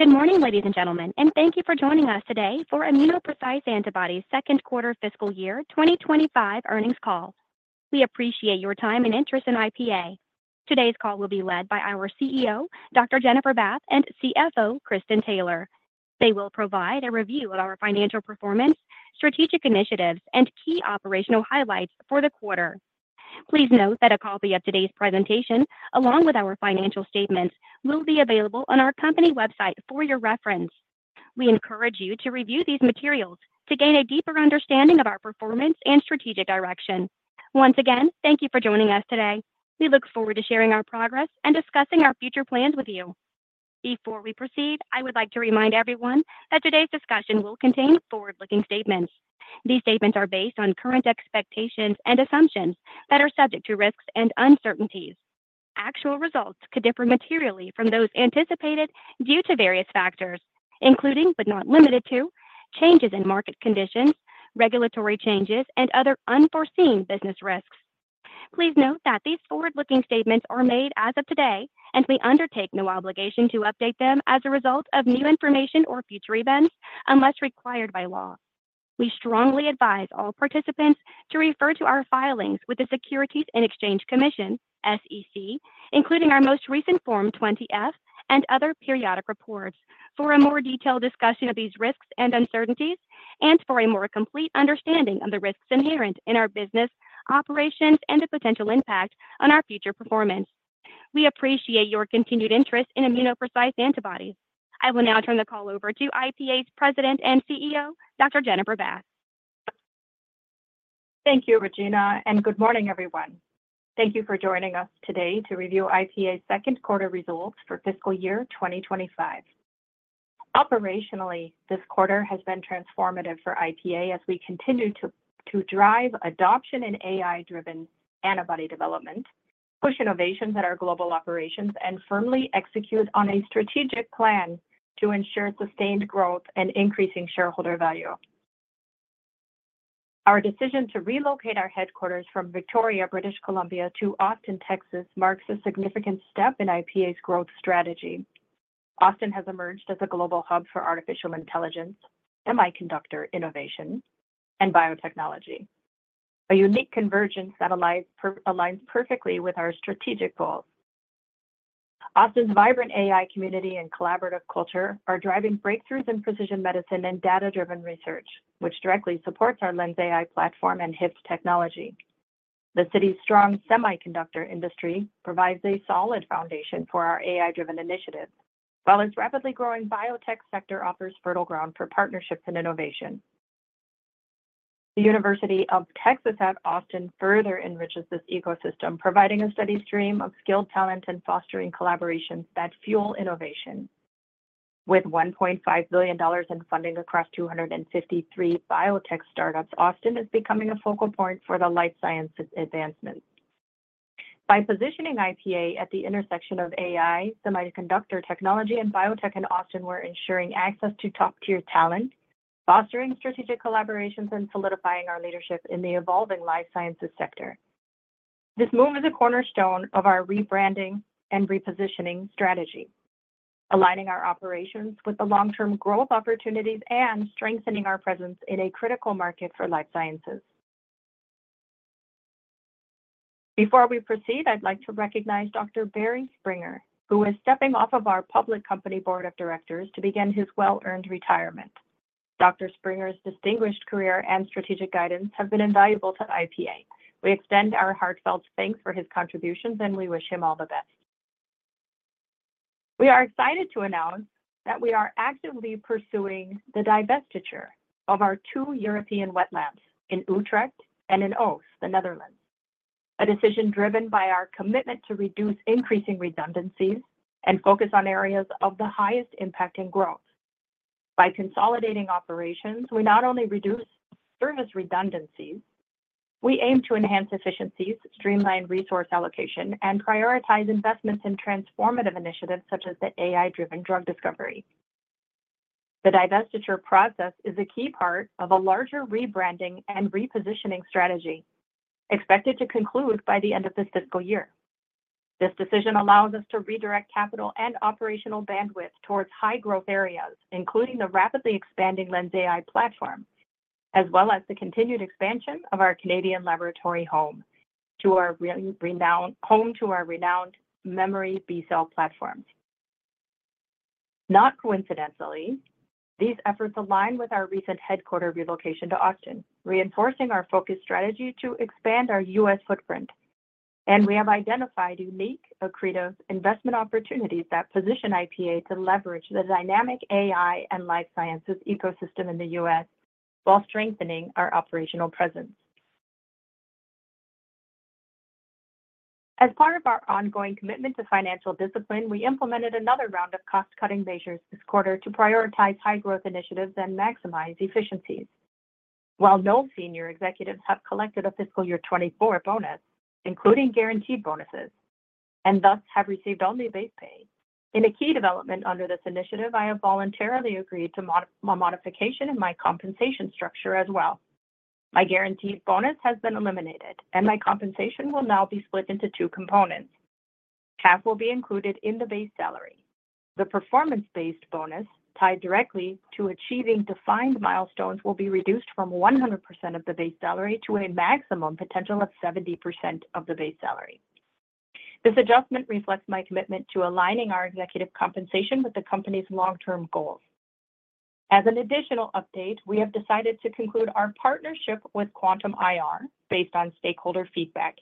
Good morning, ladies and gentlemen, and thank you for joining us today for ImmunoPrecise Antibodies' Second Quarter Fiscal Year 2025 Earnings Call. We appreciate your time and interest in IPA. Today's call will be led by our CEO, Dr. Jennifer Bath, and CFO, Kristin Taylor. They will provide a review of our financial performance, strategic initiatives, and key operational highlights for the quarter. Please note that a copy of today's presentation, along with our financial statements, will be available on our company website for your reference. We encourage you to review these materials to gain a deeper understanding of our performance and strategic direction. Once again, thank you for joining us today. We look forward to sharing our progress and discussing our future plans with you. Before we proceed, I would like to remind everyone that today's discussion will contain forward-looking statements. These statements are based on current expectations and assumptions that are subject to risks and uncertainties. Actual results could differ materially from those anticipated due to various factors, including but not limited to changes in market conditions, regulatory changes, and other unforeseen business risks. Please note that these forward-looking statements are made as of today, and we undertake no obligation to update them as a result of new information or future events unless required by law. We strongly advise all participants to refer to our filings with the Securities and Exchange Commission, SEC, including our most recent Form 20-F and other periodic reports, for a more detailed discussion of these risks and uncertainties, and for a more complete understanding of the risks inherent in our business operations and the potential impact on our future performance. We appreciate your continued interest in ImmunoPrecise Antibodies. I will now turn the call over to IPA's President and CEO, Dr. Jennifer Bath. Thank you, Regina, and good morning, everyone. Thank you for joining us today to review IPA's second quarter results for fiscal year 2025. Operationally, this quarter has been transformative for IPA as we continue to drive adoption in AI-driven antibody development, push innovations at our global operations, and firmly execute on a strategic plan to ensure sustained growth and increasing shareholder value. Our decision to relocate our headquarters from Victoria, British Columbia, to Austin, Texas, marks a significant step in IPA's growth strategy. Austin has emerged as a global hub for artificial intelligence, semiconductor innovation, and biotechnology. A unique convergence that aligns perfectly with our strategic goals. Austin's vibrant AI community and collaborative culture are driving breakthroughs in precision medicine and data-driven research, which directly supports our LENSai platform and HYFT technology. The city's strong semiconductor industry provides a solid foundation for our AI-driven initiatives, while its rapidly growing biotech sector offers fertile ground for partnerships and innovation. The University of Texas at Austin further enriches this ecosystem, providing a steady stream of skilled talent and fostering collaborations that fuel innovation. With 1.5 billion dollars in funding across 253 biotech startups, Austin is becoming a focal point for the life sciences advancements. By positioning IPA at the intersection of AI, semiconductor technology, and biotech in Austin, we're ensuring access to top-tier talent, fostering strategic collaborations, and solidifying our leadership in the evolving life sciences sector. This move is a cornerstone of our rebranding and repositioning strategy, aligning our operations with the long-term growth opportunities and strengthening our presence in a critical market for life sciences. Before we proceed, I'd like to recognize Dr. Barry Springer, who is stepping off of our public company board of directors to begin his well-earned retirement. Dr. Springer's distinguished career and strategic guidance have been invaluable to IPA. We extend our heartfelt thanks for his contributions, and we wish him all the best. We are excited to announce that we are actively pursuing the divestiture of our two European wet labs in Utrecht and in Oss, the Netherlands, a decision driven by our commitment to reduce increasing redundancies and focus on areas of the highest impact in growth. By consolidating operations, we not only reduce service redundancies. We aim to enhance efficiencies, streamline resource allocation, and prioritize investments in transformative initiatives such as the AI-driven drug discovery. The divestiture process is a key part of a larger rebranding and repositioning strategy expected to conclude by the end of this fiscal year. This decision allows us to redirect capital and operational bandwidth towards high-growth areas, including the rapidly expanding LENSai platform, as well as the continued expansion of our Canadian laboratory, home to our renowned memory B-Cell platforms. Not coincidentally, these efforts align with our recent headquarters relocation to Austin, reinforcing our focused strategy to expand our U.S. footprint. And we have identified unique accretive investment opportunities that position IPA to leverage the dynamic AI and life sciences ecosystem in the U.S. while strengthening our operational presence. As part of our ongoing commitment to financial discipline, we implemented another round of cost-cutting measures this quarter to prioritize high-growth initiatives and maximize efficiencies. While no senior executives have collected a fiscal year 2024 bonus, including guaranteed bonuses, and thus have received only base pay, in a key development under this initiative, I have voluntarily agreed to a modification in my compensation structure as well. My guaranteed bonus has been eliminated, and my compensation will now be split into two components. Half will be included in the base salary. The performance-based bonus, tied directly to achieving defined milestones, will be reduced from 100% of the base salary to a maximum potential of 70% of the base salary. This adjustment reflects my commitment to aligning our executive compensation with the company's long-term goals. As an additional update, we have decided to conclude our partnership with Quantum IR based on stakeholder feedback.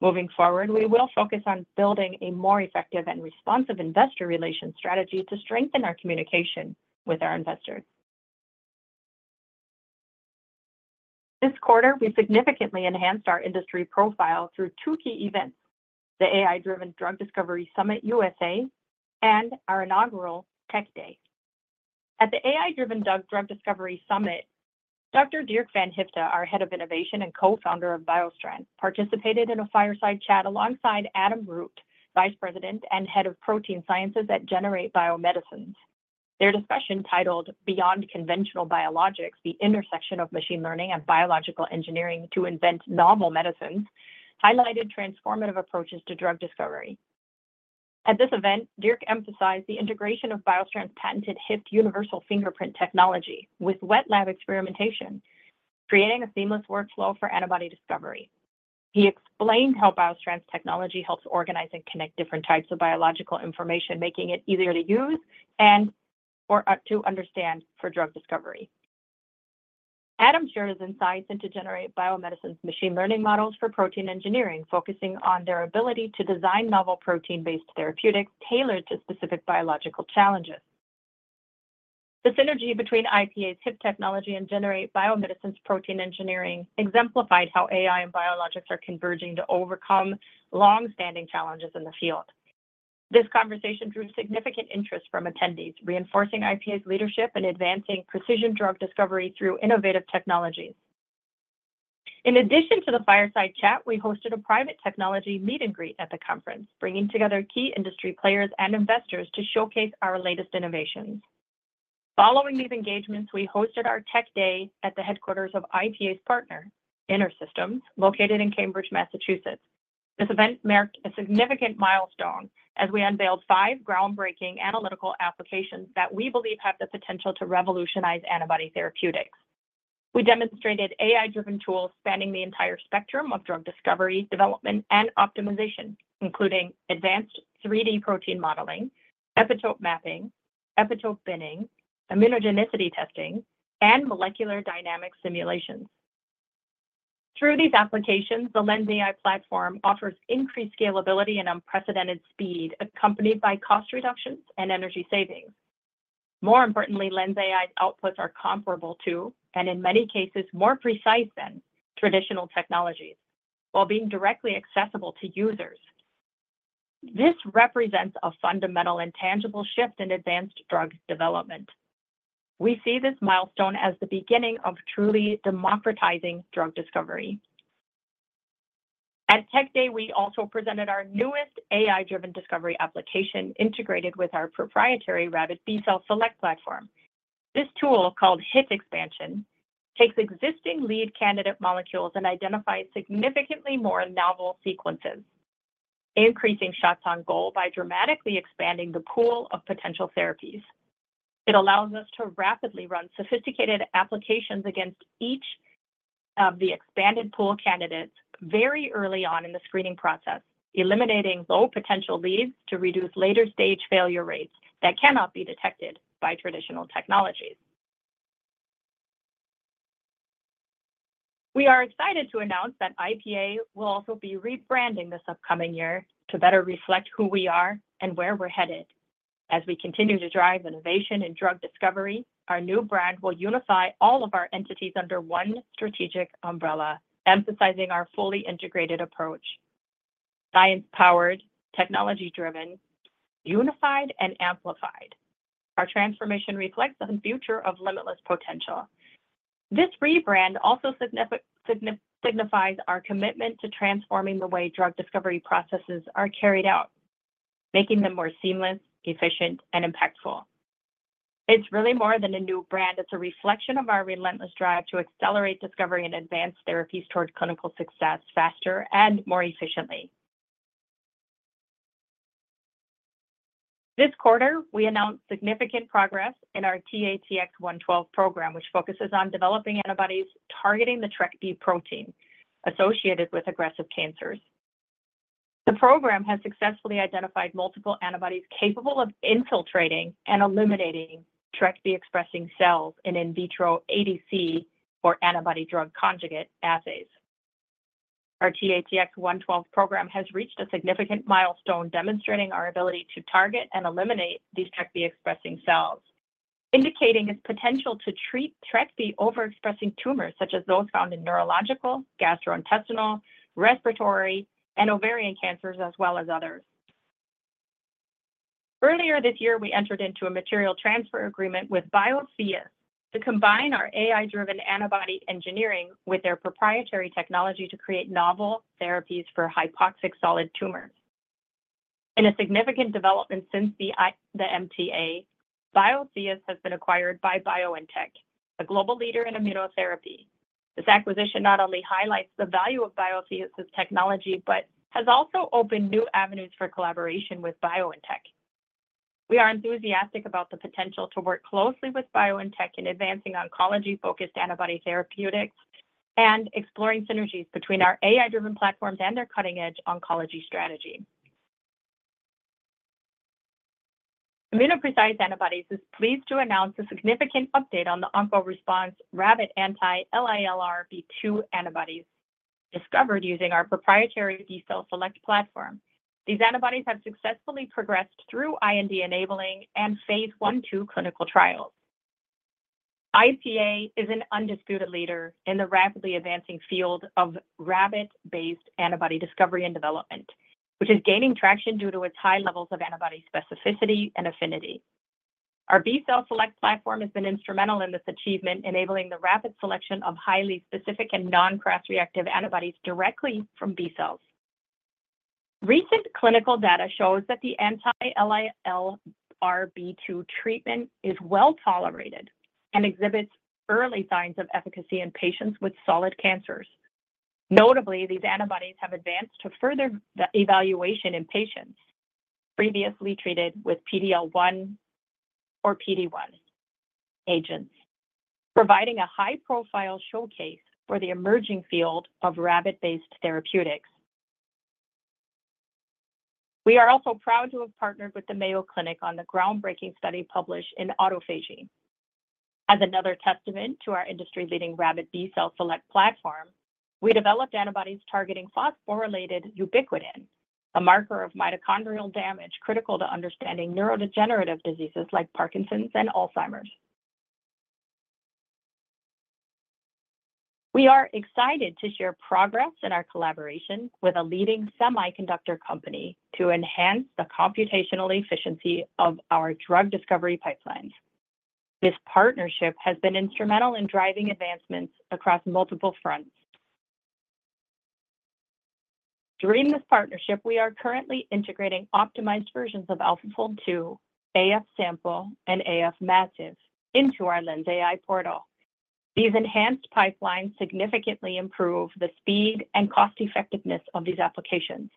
Moving forward, we will focus on building a more effective and responsive investor relations strategy to strengthen our communication with our investors. This quarter, we've significantly enhanced our industry profile through two key events: the AI-driven Drug Discovery Summit USA and our inaugural Tech Day. At the AI-driven Drug Discovery Summit, Dr. Dirk Van Hyfte, our Head of Innovation and Co-Founder of BioStrand, participated in a fireside chat alongside Adam Root, Vice President and Head of Protein Sciences at Generate Biomedicines. Their discussion, titled "Beyond Conventional Biologics: The Intersection of Machine Learning and Biological Engineering to Invent Novel Medicines," highlighted transformative approaches to drug discovery. At this event, Dirk emphasized the integration of BioStrand's patented HYFT universal fingerprint technology with wet lab experimentation, creating a seamless workflow for antibody discovery. He explained how BioStrand's technology helps organize and connect different types of biological information, making it easier to use and/or to understand for drug discovery. Adam shared his insights into Generate Biomedicines's machine learning models for protein engineering, focusing on their ability to design novel protein-based therapeutics tailored to specific biological challenges. The synergy between IPA's HYFT technology and Generate Biomedicines's protein engineering exemplified how AI and biologics are converging to overcome long-standing challenges in the field. This conversation drew significant interest from attendees, reinforcing IPA's leadership in advancing precision drug discovery through innovative technology. In addition to the fireside chat, we hosted a private technology meet-and-greet at the conference, bringing together key industry players and investors to showcase our latest innovations. Following these engagements, we hosted our Tech Day at the headquarters of IPA's partner, InterSystems, located in Cambridge, Massachusetts. This event marked a significant milestone as we unveiled five groundbreaking analytical applications that we believe have the potential to revolutionize antibody therapeutics. We demonstrated AI-driven tools spanning the entire spectrum of drug discovery, development, and optimization, including advanced 3D protein modeling, epitope mapping, epitope binning, immunogenicity testing, and molecular dynamic simulations. Through these applications, the LENSai platform offers increased scalability and unprecedented speed, accompanied by cost reductions and energy savings. More importantly, LENSai's outputs are comparable to, and in many cases, more precise than traditional technologies, while being directly accessible to users. This represents a fundamental and tangible shift in advanced drug development. We see this milestone as the beginning of truly democratizing drug discovery. At Tech Day, we also presented our newest AI-driven discovery application integrated with our proprietary rabbit B-Cell Select platform. This tool, called HYFT Expansion, takes existing lead candidate molecules and identifies significantly more novel sequences, increasing shots on goal by dramatically expanding the pool of potential therapies. It allows us to rapidly run sophisticated applications against each of the expanded pool candidates very early on in the screening process, eliminating low potential leads to reduce later-stage failure rates that cannot be detected by traditional technologies. We are excited to announce that IPA will also be rebranding this upcoming year to better reflect who we are and where we're headed. As we continue to drive innovation in drug discovery, our new brand will unify all of our entities under one strategic umbrella, emphasizing our fully integrated approach. Science-powered, technology-driven, unified, and amplified, our transformation reflects a future of limitless potential. This rebrand also signifies our commitment to transforming the way drug discovery processes are carried out, making them more seamless, efficient, and impactful. It's really more than a new brand. It's a reflection of our relentless drive to accelerate discovery and advance therapies toward clinical success faster and more efficiently. This quarter, we announced significant progress in our TATX-112 program, which focuses on developing antibodies targeting the TrkB protein associated with aggressive cancers. The program has successfully identified multiple antibodies capable of infiltrating and eliminating TrkB-expressing cells in in vitro ADC, or antibody-drug conjugate, assays. Our TATX-112 program has reached a significant milestone demonstrating our ability to target and eliminate these TrkB-expressing cells, indicating its potential to treat TrkB overexpressing tumors such as those found in neurological, gastrointestinal, respiratory, and ovarian cancers, as well as others. Earlier this year, we entered into a material transfer agreement with Biotheus to combine our AI-driven antibody engineering with their proprietary technology to create novel therapies for hypoxic solid tumors. In a significant development since the MTA, Biotheus has been acquired by BioNTech, a global leader in immunotherapy. This acquisition not only highlights the value of Biotheus's technology but has also opened new avenues for collaboration with BioNTech. We are enthusiastic about the potential to work closely with BioNTech in advancing oncology-focused antibody therapeutics and exploring synergies between our AI-driven platforms and their cutting-edge oncology strategy. ImmunoPrecise Antibodies is pleased to announce a significant update on the OncoResponse rabbit anti-LILRB2 antibodies discovered using our proprietary B-Cell Select platform. These antibodies have successfully progressed through IND-enabling and phase I-II clinical trials. IPA is an undisputed leader in the rapidly advancing field of rabbit-based antibody discovery and development, which is gaining traction due to its high levels of antibody specificity and affinity. Our B-Cell Select platform has been instrumental in this achievement, enabling the rapid selection of highly specific and non-cross-reactive antibodies directly from B-Cells. Recent clinical data shows that the anti-LILRB2 treatment is well tolerated and exhibits early signs of efficacy in patients with solid cancers. Notably, these antibodies have advanced to further evaluation in patients previously treated with PD-L1 or PD-1 agents, providing a high-profile showcase for the emerging field of rabbit-based therapeutics. We are also proud to have partnered with the Mayo Clinic on the groundbreaking study published in Autophagy. As another testament to our industry-leading rabbit B-Cell Select platform, we developed antibodies targeting phosphorylated ubiquitin, a marker of mitochondrial damage critical to understanding neurodegenerative diseases like Parkinson's and Alzheimer's. We are excited to share progress in our collaboration with a leading semiconductor company to enhance the computational efficiency of our drug discovery pipelines. This partnership has been instrumental in driving advancements across multiple fronts. During this partnership, we are currently integrating optimized versions of AlphaFold2, AF Sample, and AF Massive into our LENSai portal. These enhanced pipelines significantly improve the speed and cost-effectiveness of these applications.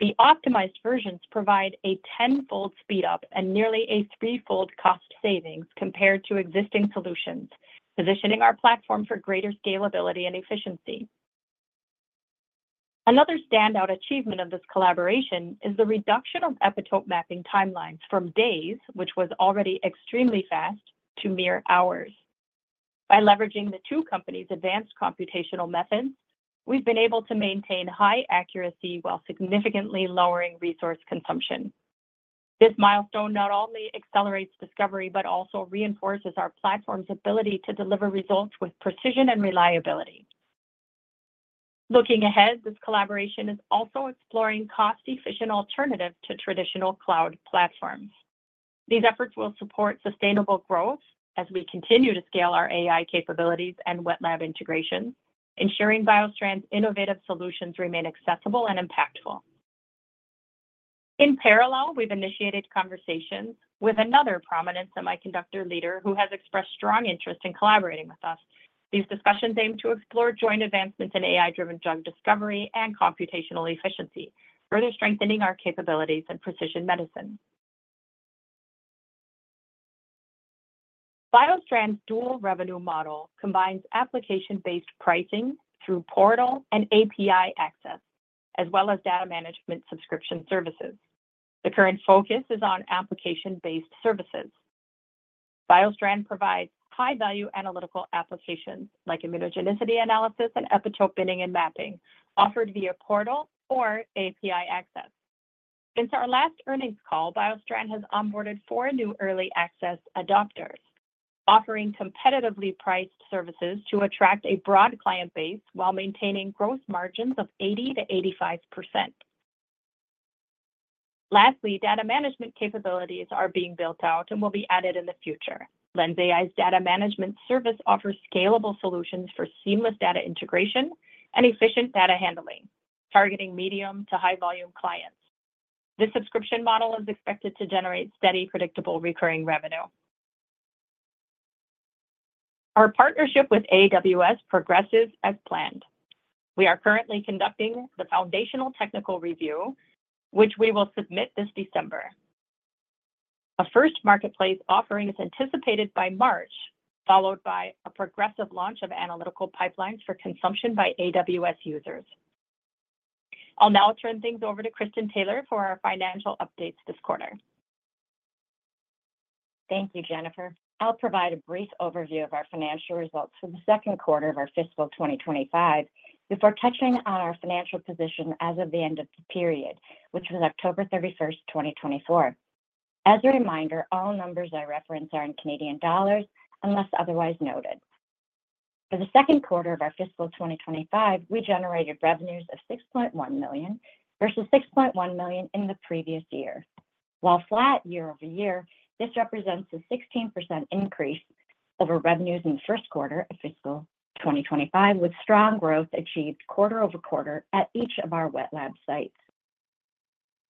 The optimized versions provide a tenfold speed-up and nearly a threefold cost savings compared to existing solutions, positioning our platform for greater scalability and efficiency. Another standout achievement of this collaboration is the reduction of epitope mapping timelines from days, which was already extremely fast, to mere hours. By leveraging the two companies' advanced computational methods, we've been able to maintain high accuracy while significantly lowering resource consumption. This milestone not only accelerates discovery but also reinforces our platform's ability to deliver results with precision and reliability. Looking ahead, this collaboration is also exploring cost-efficient alternatives to traditional cloud platforms. These efforts will support sustainable growth as we continue to scale our AI capabilities and wet lab integrations, ensuring BioStrand's innovative solutions remain accessible and impactful. In parallel, we've initiated conversations with another prominent semiconductor leader who has expressed strong interest in collaborating with us. These discussions aim to explore joint advancements in AI-driven drug discovery and computational efficiency, further strengthening our capabilities in precision medicine. BioStrand's dual-revenue model combines application-based pricing through portal and API access, as well as data management subscription services. The current focus is on application-based services. BioStrand provides high-value analytical applications like immunogenicity analysis and epitope binning and mapping, offered via portal or API access. Since our last earnings call, BioStrand has onboarded four new early access adopters, offering competitively priced services to attract a broad client base while maintaining gross margins of 80%-85%. Lastly, data management capabilities are being built out and will be added in the future. LENSai's data management service offers scalable solutions for seamless data integration and efficient data handling, targeting medium to high-volume clients. This subscription model is expected to generate steady, predictable recurring revenue. Our partnership with AWS progresses as planned. We are currently conducting the foundational technical review, which we will submit this December. A first marketplace offering is anticipated by March, followed by a progressive launch of analytical pipelines for consumption by AWS users. I'll now turn things over to Kristin Taylor for our financial updates this quarter. Thank you, Jennifer. I'll provide a brief overview of our financial results for the second quarter of our fiscal 2025 before touching on our financial position as of the end of the period, which was October 31st, 2024. As a reminder, all numbers I reference are in Canadian dollars unless otherwise noted. For the second quarter of our fiscal 2025, we generated revenues of 6.1 million versus 6.1 million in the previous year. While flat year-over-year, this represents a 16% increase over revenues in the first quarter of fiscal 2025, with strong growth achieved quarter over quarter at each of our wet lab sites.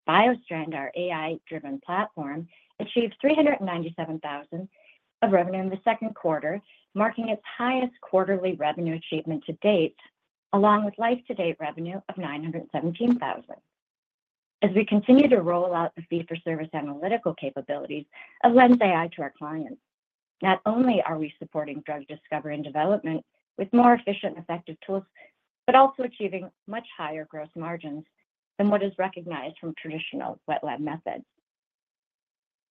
BioStrand, our AI-driven platform, achieved 397,000 of revenue in the second quarter, marking its highest quarterly revenue achievement to date, along with life-to-date revenue of 917,000. As we continue to roll out the fee-for-service analytical capabilities of LENSai to our clients, not only are we supporting drug discovery and development with more efficient, effective tools, but also achieving much higher gross margins than what is recognized from traditional wet lab methods.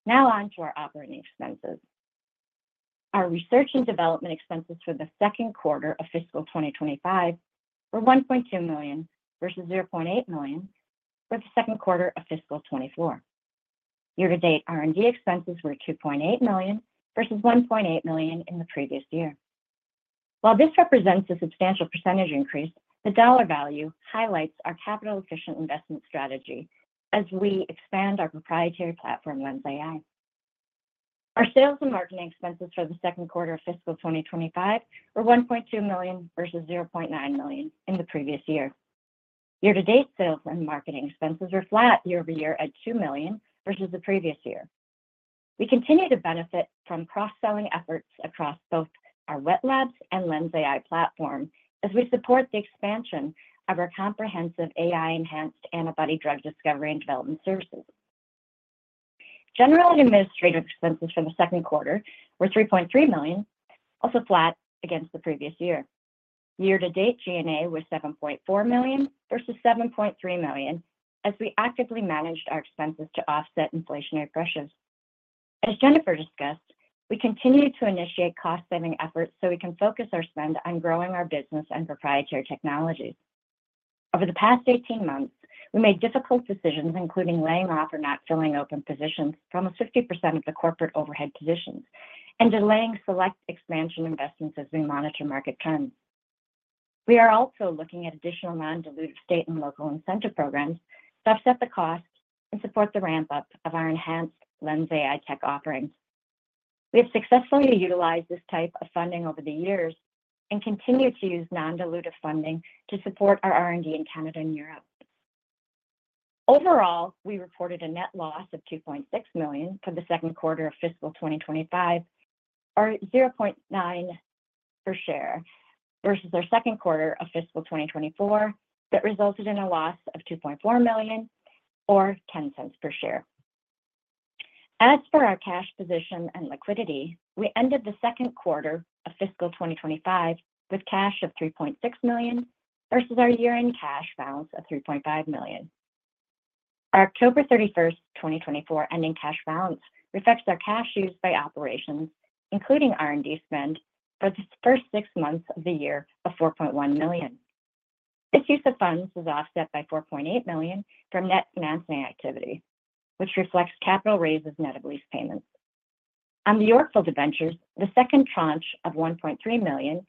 Now on to our operating expenses. Our research and development expenses for the second quarter of fiscal 2025 were 1.2 million versus 0.8 million for the second quarter of fiscal 2024. Year-to-date R&D expenses were 2.8 million versus 1.8 million in the previous year. While this represents a substantial percentage increase, the dollar value highlights our capital-efficient investment strategy as we expand our proprietary platform, LENSai. Our sales and marketing expenses for the second quarter of fiscal 2025 were 1.2 million versus 0.9 million in the previous year. Year-to-date sales and marketing expenses were flat year-over-year at 2 million versus the previous year. We continue to benefit from cross-selling efforts across both our wet labs and LENSai platform as we support the expansion of our comprehensive AI-enhanced antibody drug discovery and development services. General and administrative expenses for the second quarter were 3.3 million, also flat against the previous year. Year-to-date G&A was 7.4 million versus 7.3 million as we actively managed our expenses to offset inflationary pressures. As Jennifer discussed, we continue to initiate cost-saving efforts so we can focus our spend on growing our business and proprietary technologies. Over the past 18 months, we made difficult decisions, including laying off or not filling open positions from 50% of the corporate overhead positions and delaying select expansion investments as we monitor market trends. We are also looking at additional non-dilutive state and local incentive programs to offset the cost and support the ramp-up of our enhanced LENSai tech offerings. We have successfully utilized this type of funding over the years and continue to use non-dilutive funding to support our R&D in Canada and Europe. Overall, we reported a net loss of 2.6 million for the second quarter of fiscal 2025, or 0.09 per share, versus our second quarter of fiscal 2024 that resulted in a loss of 2.4 million, or 0.10 per share. As for our cash position and liquidity, we ended the second quarter of fiscal 2025 with cash of 3.6 million versus our year-end cash balance of 3.5 million. Our October 31st, 2024 ending cash balance reflects our cash used by operations, including R&D spend, for the first six months of the year of 4.1 million. This use of funds was offset by 4.8 million from net financing activity, which reflects capital raises net of lease payments. On the Yorkville II debentures, the second tranche of 1.3 million,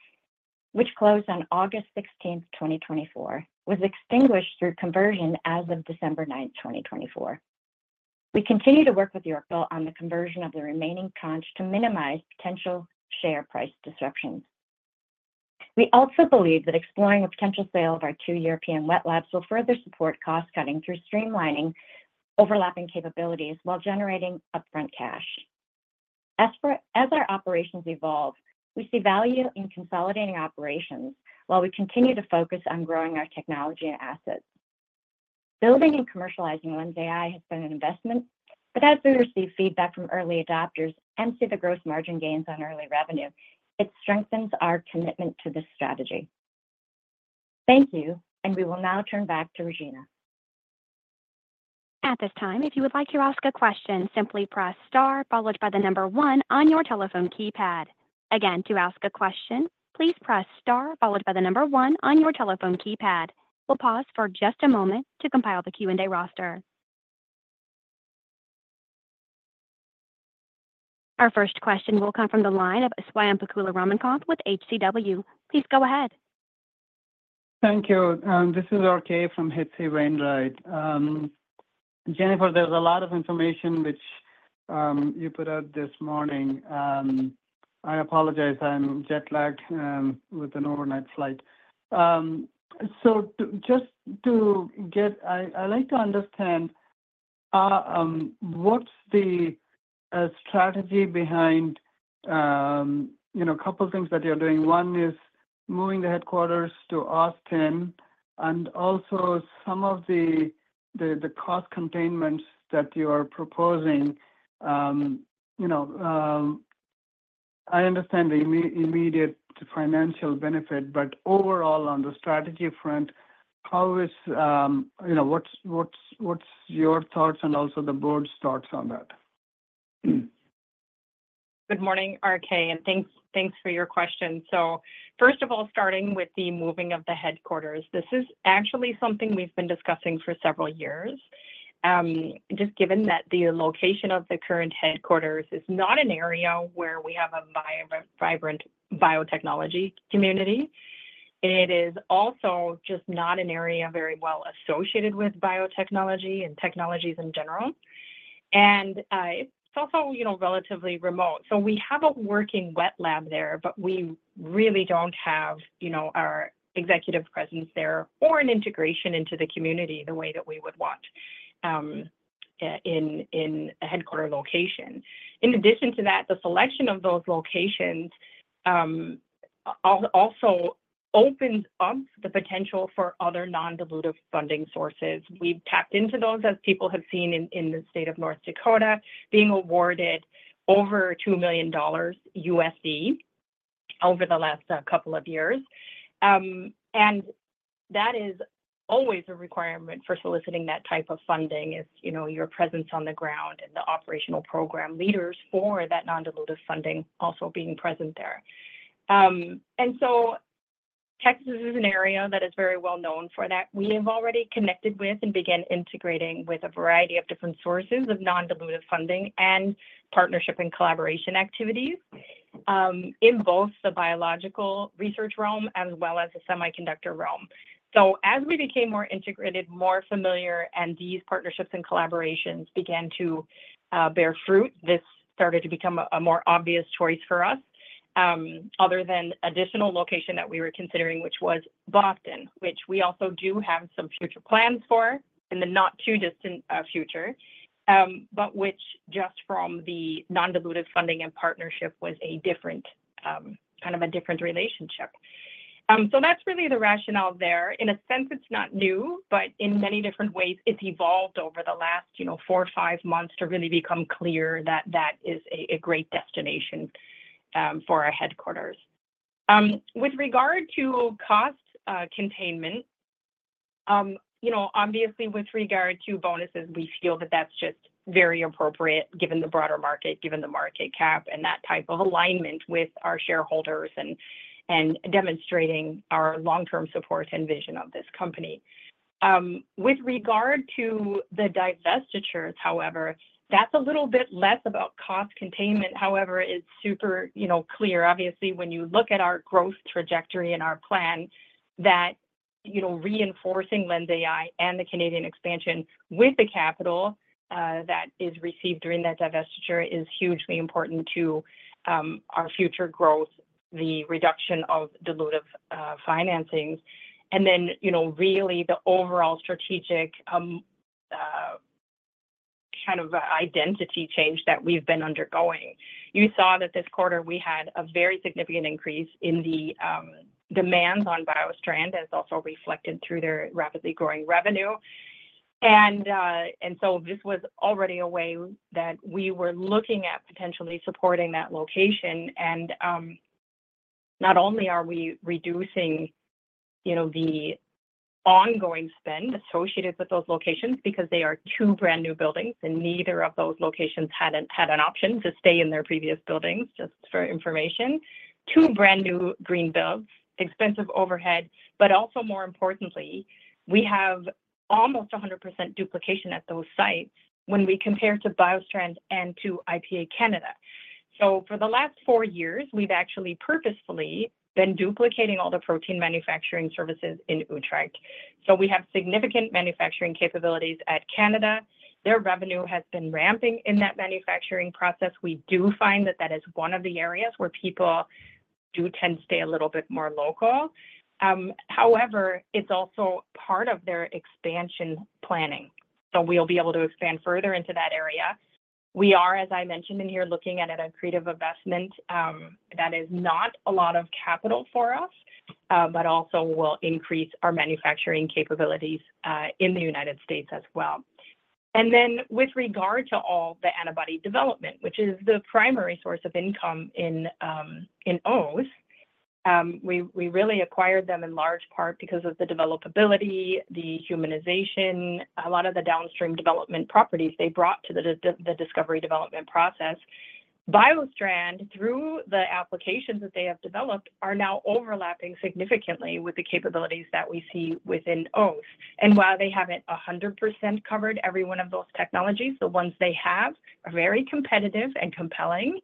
which closed on August 16th, 2024, was extinguished through conversion as of December 9th, 2024. We continue to work with Yorkville on the conversion of the remaining tranche to minimize potential share price disruptions. We also believe that exploring a potential sale of our two European wet labs will further support cost-cutting through streamlining overlapping capabilities while generating upfront cash. As our operations evolve, we see value in consolidating operations while we continue to focus on growing our technology and assets. Building and commercializing LENSai has been an investment, but as we receive feedback from early adopters and see the gross margin gains on early revenue, it strengthens our commitment to this strategy. Thank you, and we will now turn back to Regina. At this time, if you would like to ask a question, simply press star followed by the number one on your telephone keypad. Again, to ask a question, please press star followed by the number one on your telephone keypad. We'll pause for just a moment to compile the Q&A roster. Our first question will come from the line of Ramakanth Swayampakula Ramakanth with HCW. Please go ahead. Thank you. This is RK from H.C. Wainwright. Jennifer, there's a lot of information which you put out this morning. I apologize. I'm jet-lagged with an overnight flight. So just to get, I'd like to understand what's the strategy behind a couple of things that you're doing. One is moving the headquarters to Austin and also some of the cost containment that you are proposing. I understand the immediate financial benefit, but overall, on the strategy front, how is what's your thoughts and also the board's thoughts on that? Good morning, RK, and thanks for your question. So first of all, starting with the moving of the headquarters, this is actually something we've been discussing for several years. Just given that the location of the current headquarters is not an area where we have a vibrant biotechnology community, it is also just not an area very well associated with biotechnology and technologies in general, and it's also relatively remote, so we have a working wet lab there, but we really don't have our executive presence there or an integration into the community the way that we would want in a headquarter location. In addition to that, the selection of those locations also opens up the potential for other non-dilutive funding sources. We've tapped into those, as people have seen in the state of North Dakota, being awarded over $2 million USD over the last couple of years, and that is always a requirement for soliciting that type of funding, is your presence on the ground and the operational program leaders for that non-dilutive funding also being present there. Texas is an area that is very well known for that. We have already connected with and began integrating with a variety of different sources of non-dilutive funding and partnership and collaboration activities in both the biological research realm as well as the semiconductor realm. As we became more integrated, more familiar, and these partnerships and collaborations began to bear fruit, this started to become a more obvious choice for us, other than additional location that we were considering, which was Boston, which we also do have some future plans for in the not-too-distant future, but which just from the non-dilutive funding and partnership was a different kind of a different relationship. That's really the rationale there. In a sense, it's not new, but in many different ways, it's evolved over the last four or five months to really become clear that that is a great destination for our headquarters. With regard to cost containment, obviously, with regard to bonuses, we feel that that's just very appropriate given the broader market, given the market cap, and that type of alignment with our shareholders and demonstrating our long-term support and vision of this company. With regard to the divestitures, however, that's a little bit less about cost containment. However, it's super clear. Obviously, when you look at our growth trajectory and our plan, that reinforcing LENSai and the Canadian expansion with the capital that is received during that divestiture is hugely important to our future growth, the reduction of dilutive financings, and then really the overall strategic kind of identity change that we've been undergoing. You saw that this quarter we had a very significant increase in the demands on BioStrand, as also reflected through their rapidly growing revenue, and so this was already a way that we were looking at potentially supporting that location, and not only are we reducing the ongoing spend associated with those locations because they are two brand new buildings, and neither of those locations had an option to stay in their previous buildings, just for information, two brand new green builds, expensive overhead, but also more importantly, we have almost 100% duplication at those sites when we compare to BioStrand and to IPA Canada, so for the last four years, we've actually purposefully been duplicating all the protein manufacturing services in Utrecht, so we have significant manufacturing capabilities at Canada. Their revenue has been ramping in that manufacturing process. We do find that that is one of the areas where people do tend to stay a little bit more local. However, it's also part of their expansion planning. So we'll be able to expand further into that area. We are, as I mentioned in here, looking at a creative investment that is not a lot of capital for us, but also will increase our manufacturing capabilities in the United States as well. And then with regard to all the antibody development, which is the primary source of income in Oss, we really acquired them in large part because of the developability, the humanization, a lot of the downstream development properties they brought to the discovery development process. BioStrand, through the applications that they have developed, are now overlapping significantly with the capabilities that we see within Oss. While they haven't 100% covered every one of those technologies, the ones they have are very competitive and compelling.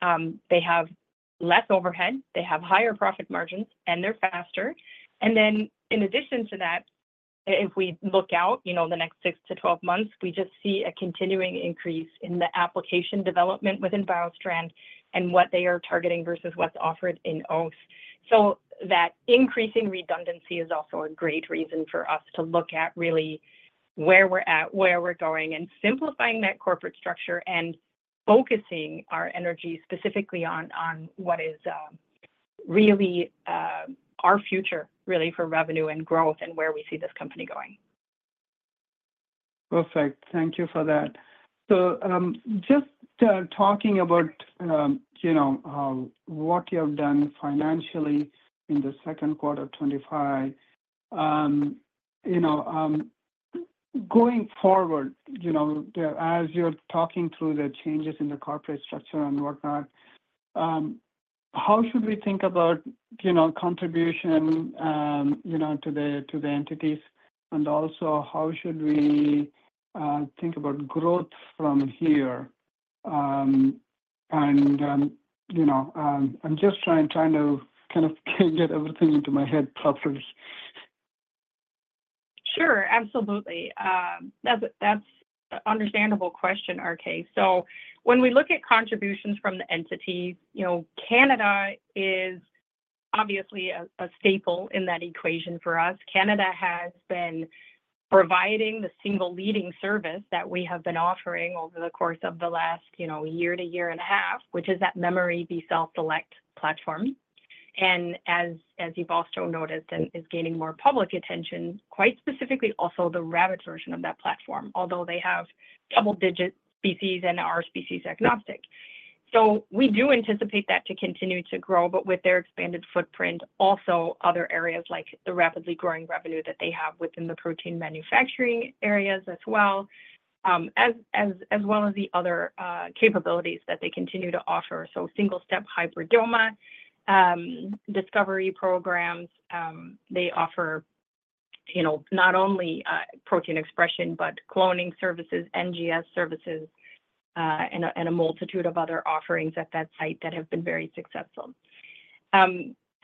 They have less overhead. They have higher profit margins, and they're faster. Then in addition to that, if we look out the next six to 12 months, we just see a continuing increase in the application development within BioStrand and what they are targeting versus what's offered in Oss. That increasing redundancy is also a great reason for us to look at really where we're at, where we're going, and simplifying that corporate structure and focusing our energy specifically on what is really our future, really, for revenue and growth and where we see this company going. Perfect. Thank you for that. So just talking about what you have done financially in the second quarter of 2025, going forward, as you're talking through the changes in the corporate structure and whatnot, how should we think about contribution to the entities? And also, how should we think about growth from here? And I'm just trying to kind of get everything into my head properly. Sure. Absolutely. That's an understandable question, RK. So when we look at contributions from the entities, Canada is obviously a staple in that equation for us. Canada has been providing the single leading service that we have been offering over the course of the last year-to-year and a half, which is that memory B-Cell select platform. And as you've also noticed, it is gaining more public attention, quite specifically also the rabbit version of that platform, although they have double-digit species and are species agnostic. So we do anticipate that to continue to grow, but with their expanded footprint, also other areas like the rapidly growing revenue that they have within the protein manufacturing areas as well, as well as the other capabilities that they continue to offer. Single-step hybridoma discovery programs, they offer not only protein expression, but cloning services, NGS services, and a multitude of other offerings at that site that have been very successful.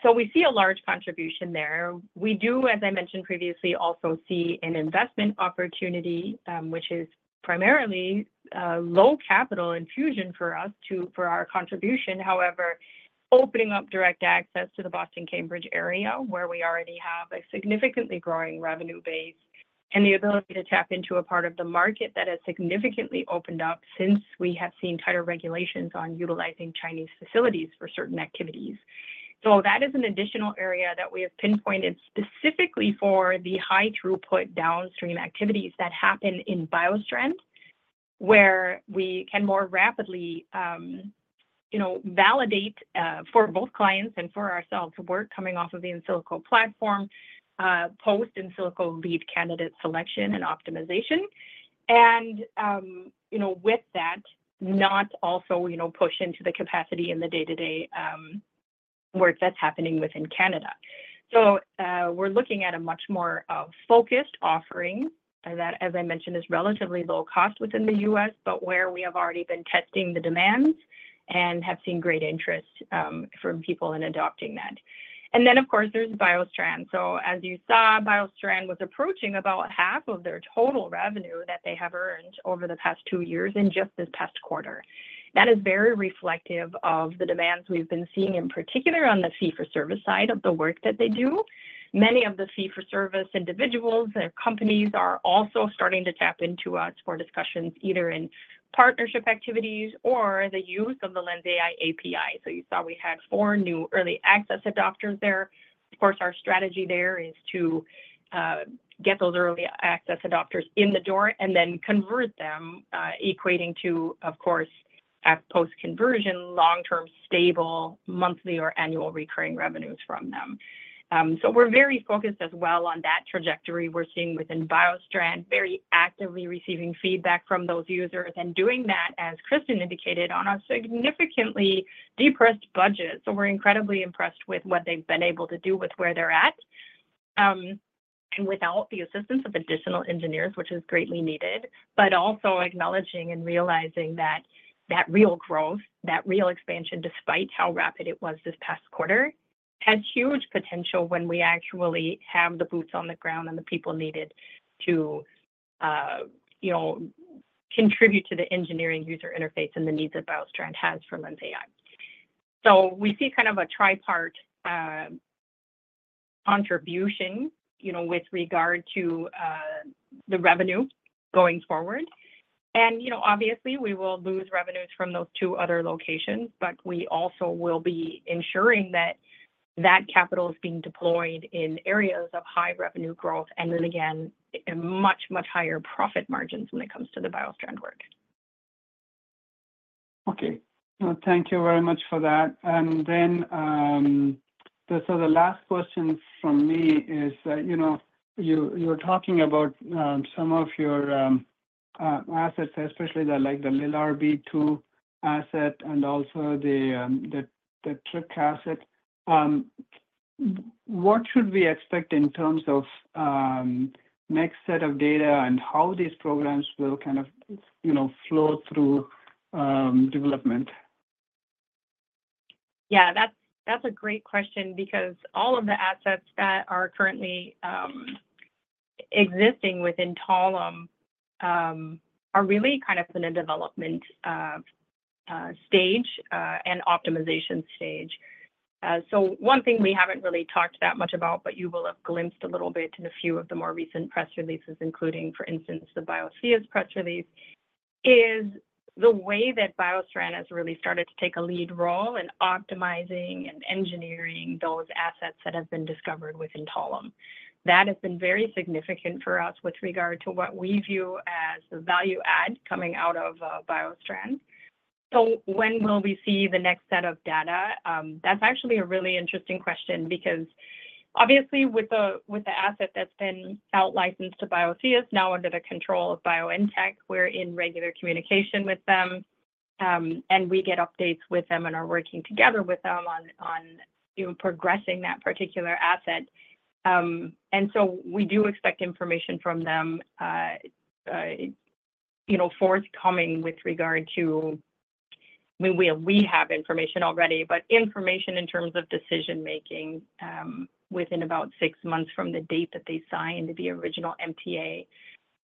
We see a large contribution there. We do, as I mentioned previously, also see an investment opportunity, which is primarily low capital infusion for us for our contribution. However, opening up direct access to the Boston Cambridge area, where we already have a significantly growing revenue base, and the ability to tap into a part of the market that has significantly opened up since we have seen tighter regulations on utilizing Chinese facilities for certain activities. So that is an additional area that we have pinpointed specifically for the high-throughput downstream activities that happen in BioStrand, where we can more rapidly validate for both clients and for ourselves work coming off of the in silico platform, post in silico lead candidate selection and optimization. And with that, not also push into the capacity in the day-to-day work that's happening within Canada. So we're looking at a much more focused offering that, as I mentioned, is relatively low cost within the U.S., but where we have already been testing the demands and have seen great interest from people in adopting that. And then, of course, there's BioStrand. So as you saw, BioStrand was approaching about half of their total revenue that they have earned over the past two years in just this past quarter. That is very reflective of the demands we've been seeing, in particular on the fee-for-service side of the work that they do. Many of the fee-for-service individuals and companies are also starting to tap into us for discussions either in partnership activities or the use of the LENSai API. So you saw we had four new early access adopters there. Of course, our strategy there is to get those early access adopters in the door and then convert them, equating to, of course, at post-conversion, long-term stable monthly or annual recurring revenues from them. So we're very focused as well on that trajectory we're seeing within BioStrand, very actively receiving feedback from those users and doing that, as Kristin indicated, on a significantly depressed budget. We're incredibly impressed with what they've been able to do with where they're at and without the assistance of additional engineers, which is greatly needed, but also acknowledging and realizing that that real growth, that real expansion, despite how rapid it was this past quarter, has huge potential when we actually have the boots on the ground and the people needed to contribute to the engineering user interface and the needs that BioStrand has for LENSai. We see kind of a tripartite contribution with regard to the revenue going forward. Obviously, we will lose revenues from those two other locations, but we also will be ensuring that that capital is being deployed in areas of high revenue growth and, again, much, much higher profit margins when it comes to the BioStrand work. Okay. Thank you very much for that. And then so the last question from me is that you were talking about some of your assets, especially the LILRB2 asset and also the Trk asset. What should we expect in terms of next set of data and how these programs will kind of flow through development? Yeah. That's a great question because all of the assets that are currently existing within Talem are really kind of in a development stage and optimization stage. So one thing we haven't really talked that much about, but you will have glimpsed a little bit in a few of the more recent press releases, including, for instance, the Biotheus press release, is the way that BioStrand has really started to take a lead role in optimizing and engineering those assets that have been discovered within Talem. That has been very significant for us with regard to what we view as the value add coming out of BioStrand. When will we see the next set of data? That's actually a really interesting question because, obviously, with the asset that's been outlicensed to Biotheus, now under the control of BioNTech, we're in regular communication with them, and we get updates with them and are working together with them on progressing that particular asset. We do expect information from them forthcoming with regard to, I mean, we have information already, but information in terms of decision-making within about six months from the date that they signed the original MTA.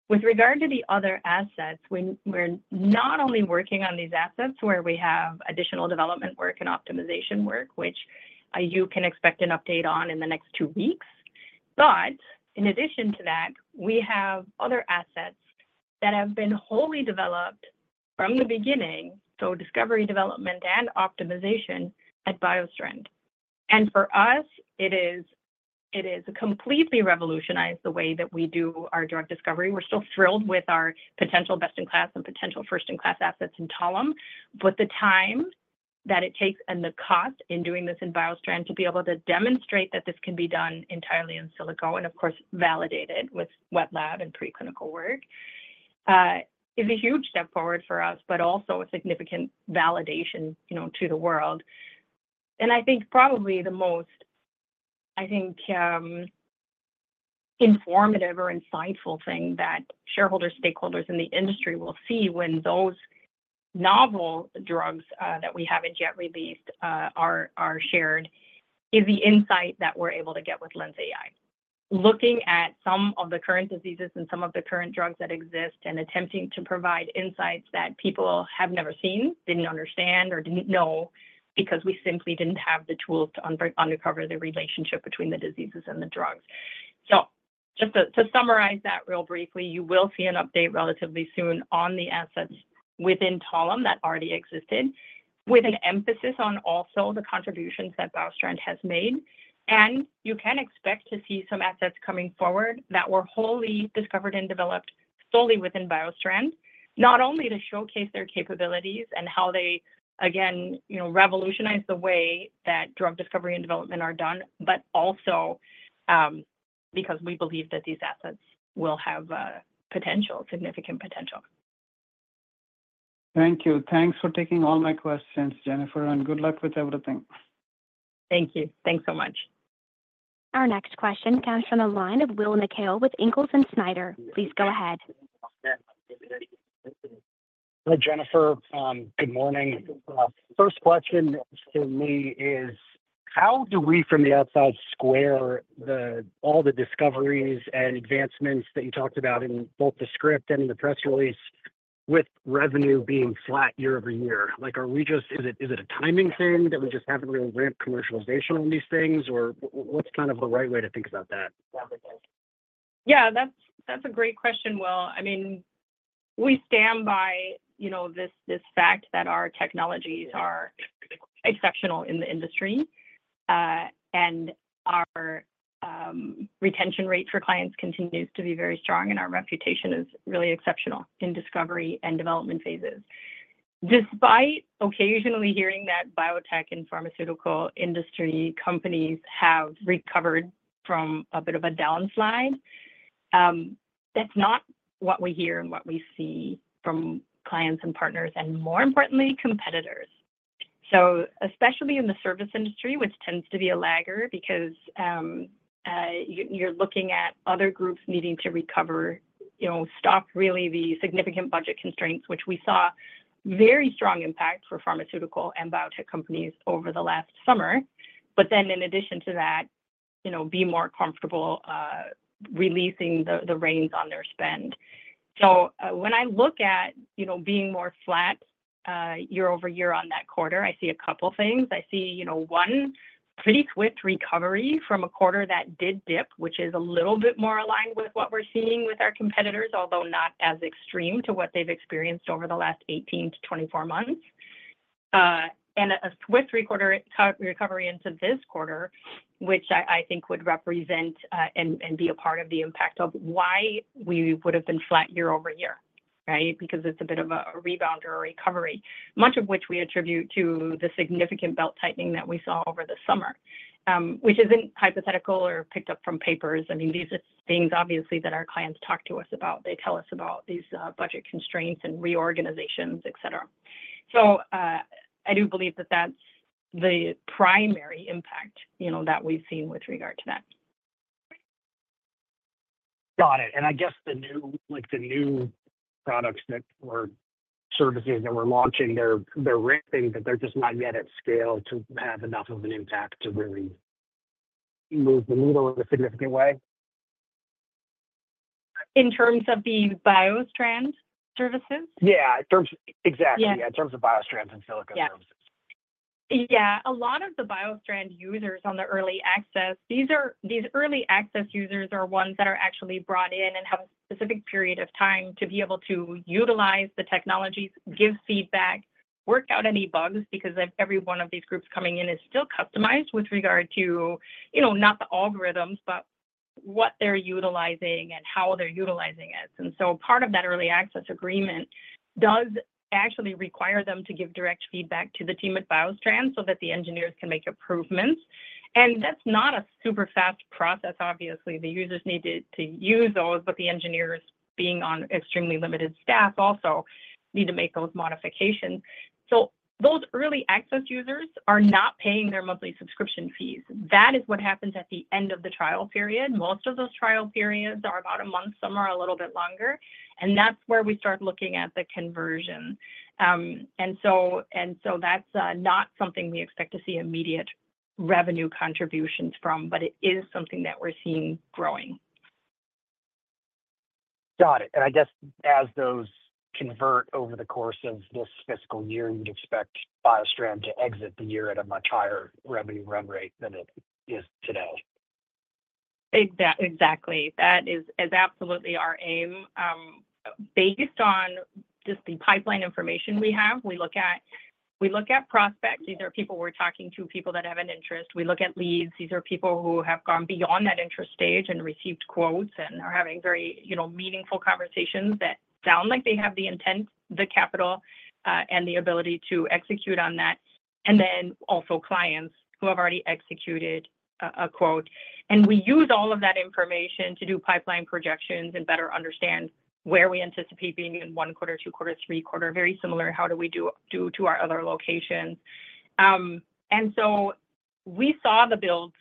With regard to the other assets, we're not only working on these assets where we have additional development work and optimization work, which you can expect an update on in the next two weeks. But in addition to that, we have other assets that have been wholly developed from the beginning, so discovery development and optimization at BioStrand. And for us, it has completely revolutionized the way that we do our drug discovery. We're still thrilled with our potential best-in-class and potential first-in-class assets in Talem, but the time that it takes and the cost in doing this in BioStrand to be able to demonstrate that this can be done entirely in silico and, of course, validated with wet lab and preclinical work is a huge step forward for us, but also a significant validation to the world. I think probably the most, I think, informative or insightful thing that shareholders, stakeholders in the industry will see when those novel drugs that we haven't yet released are shared is the insight that we're able to get with LENSai, looking at some of the current diseases and some of the current drugs that exist and attempting to provide insights that people have never seen, didn't understand, or didn't know because we simply didn't have the tools to uncover the relationship between the diseases and the drugs. Just to summarize that real briefly, you will see an update relatively soon on the assets within Talem that already existed, with an emphasis on also the contributions that BioStrand has made. and you can expect to see some assets coming forward that were wholly discovered and developed solely within BioStrand, not only to showcase their capabilities and how they, again, revolutionize the way that drug discovery and development are done, but also because we believe that these assets will have significant potential. Thank you. Thanks for taking all my questions, Jennifer, and good luck with everything. Thank you. Thanks so much. Our next question comes from the line of Will McHale with Ingalls & Snyder. Please go ahead. Hi, Jennifer. Good morning. First question for me is, how do we from the outside square all the discoveries and advancements that you talked about in both the script and in the press release with revenue being flat year-over-year? Are we just, is it a timing thing that we just haven't really ramped commercialization on these things, or what's kind of the right way to think about that? Yeah. That's a great question, Will. I mean, we stand by this fact that our technologies are exceptional in the industry, and our retention rate for clients continues to be very strong, and our reputation is really exceptional in discovery and development phases. Despite occasionally hearing that biotech and pharmaceutical industry companies have recovered from a bit of a downslide, that's not what we hear and what we see from clients and partners and, more importantly, competitors. So especially in the service industry, which tends to be a laggard because you're looking at other groups needing to recover from really the significant budget constraints, which we saw very strong impact for pharmaceutical and biotech companies over the last summer, but then, in addition to that, be more comfortable releasing the reins on their spend. So when I look at being more flat year-over-year on that quarter, I see a couple of things. I see one pretty swift recovery from a quarter that did dip, which is a little bit more aligned with what we're seeing with our competitors, although not as extreme to what they've experienced over the last 18-24 months, and a swift recovery into this quarter, which I think would represent and be a part of the impact of why we would have been flat year-over-year, right? Because it's a bit of a rebound or a recovery, much of which we attribute to the significant belt tightening that we saw over the summer, which isn't hypothetical or picked up from papers. I mean, these are things, obviously, that our clients talk to us about. They tell us about these budget constraints and reorganizations, etc. So I do believe that that's the primary impact that we've seen with regard to that. Got it. And I guess the new products that were services that we're launching, they're ripping, but they're just not yet at scale to have enough of an impact to really move the needle in a significant way. In terms of the BioStrand services? Yeah. Exactly. Yeah. In terms of BioStrand and in silico services. Yeah. A lot of the BioStrand users on the early access, these early access users are ones that are actually brought in and have a specific period of time to be able to utilize the technologies, give feedback, work out any bugs because every one of these groups coming in is still customized with regard to not the algorithms, but what they're utilizing and how they're utilizing it. And so part of that early access agreement does actually require them to give direct feedback to the team at BioStrand so that the engineers can make improvements. And that's not a super fast process, obviously. The users need to use those, but the engineers, being on extremely limited staff, also need to make those modifications. So those early access users are not paying their monthly subscription fees. That is what happens at the end of the trial period. Most of those trial periods are about a month. Some are a little bit longer, and that's where we start looking at the conversion, and so that's not something we expect to see immediate revenue contributions from, but it is something that we're seeing growing. Got it, and I guess as those convert over the course of this fiscal year, you'd expect BioStrand to exit the year at a much higher revenue run rate than it is today. Exactly. That is absolutely our aim. Based on just the pipeline information we have, we look at prospects. These are people we're talking to, people that have an interest. We look at leads. These are people who have gone beyond that interest stage and received quotes and are having very meaningful conversations that sound like they have the intent, the capital, and the ability to execute on that. And then also clients who have already executed a quote. We use all of that information to do pipeline projections and better understand where we anticipate being in one quarter, two quarter, three quarter, very similar to how do we do to our other locations. So we saw the build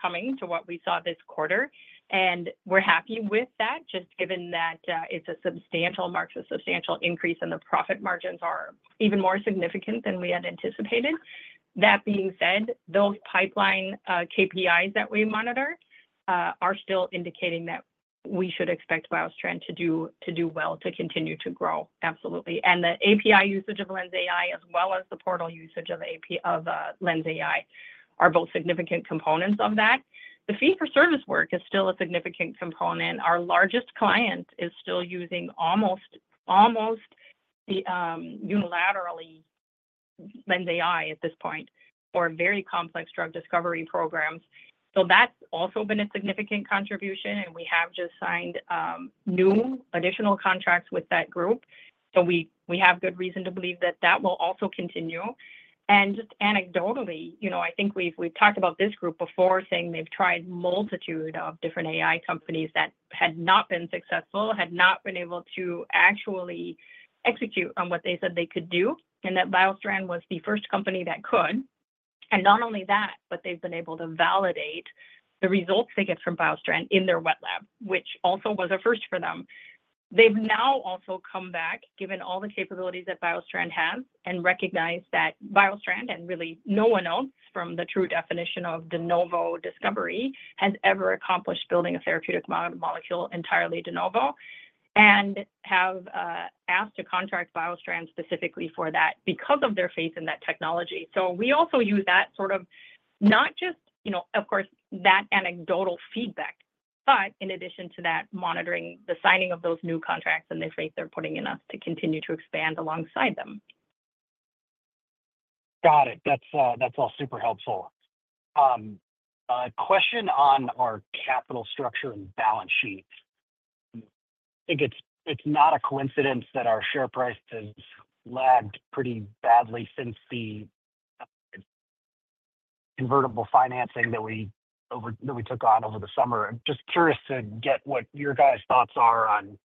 coming to what we saw this quarter, and we're happy with that just given that it's a substantial mark, a substantial increase in the profit margins are even more significant than we had anticipated. That being said, those pipeline KPIs that we monitor are still indicating that we should expect BioStrand to do well to continue to grow, absolutely. The API usage of LENSai as well as the portal usage of LENSai, are both significant components of that. The fee-for-service work is still a significant component. Our largest client is still using almost unilaterally LENSai at this point for very complex drug discovery programs, so that's also been a significant contribution, and we have just signed new additional contracts with that group, so we have good reason to believe that that will also continue, and just anecdotally, I think we've talked about this group before saying they've tried a multitude of different AI companies that had not been successful, had not been able to actually execute on what they said they could do, and that BioStrand was the first company that could, and not only that, but they've been able to validate the results they get from BioStrand in their wet lab, which also was a first for them. They've now also come back, given all the capabilities that BioStrand has, and recognized that BioStrand and really no one else from the true definition of de novo discovery has ever accomplished building a therapeutic molecule entirely de novo and have asked to contract BioStrand specifically for that because of their faith in that technology. So we also use that sort of not just, of course, that anecdotal feedback, but in addition to that, monitoring the signing of those new contracts and the faith they're putting in us to continue to expand alongside them. Got it. That's all super helpful. A question on our capital structure and balance sheet. It's not a coincidence that our share price has lagged pretty badly since the convertible financing that we took on over the summer. I'm just curious to get what your guys' thoughts are on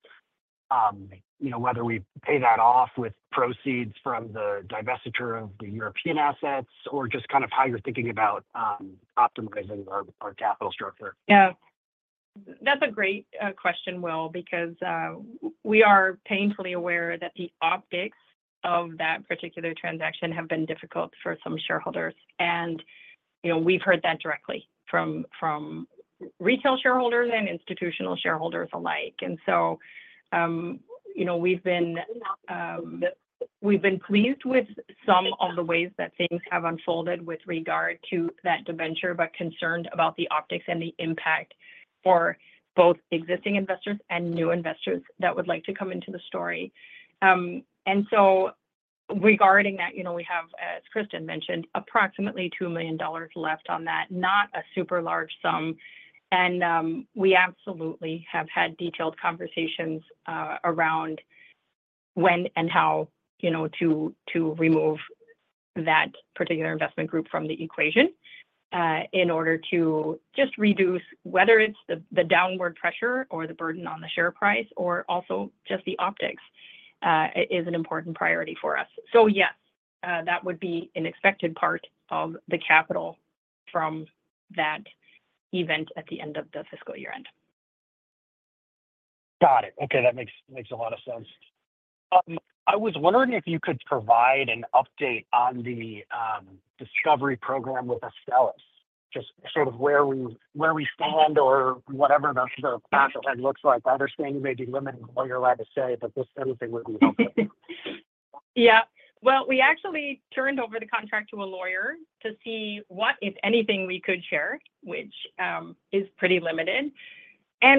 whether we pay that off with proceeds from the divestiture of the European assets or just kind of how you're thinking about optimizing our capital structure. Yeah. That's a great question, Will, because we are painfully aware that the optics of that particular transaction have been difficult for some shareholders, and we've heard that directly from retail shareholders and institutional shareholders alike. We've been pleased with some of the ways that things have unfolded with regard to that debenture, but concerned about the optics and the impact for both existing investors and new investors that would like to come into the story. Regarding that, we have, as Kristin mentioned, approximately 2 million dollars left on that, not a super large sum. We absolutely have had detailed conversations around when and how to remove that particular investment group from the equation in order to just reduce whether it's the downward pressure or the burden on the share price or also just the optics is an important priority for us. Yes, that would be an expected part of the capital from that event at the end of the fiscal year end. Got it. Okay. That makes a lot of sense. I was wondering if you could provide an update on the discovery program with Astellas, just sort of where we stand or whatever the path ahead looks like. I understand you may be limited in what you're allowed to say, but just anything would be helpful. Yeah, well, we actually turned over the contract to a lawyer to see what, if anything, we could share, which is pretty limited.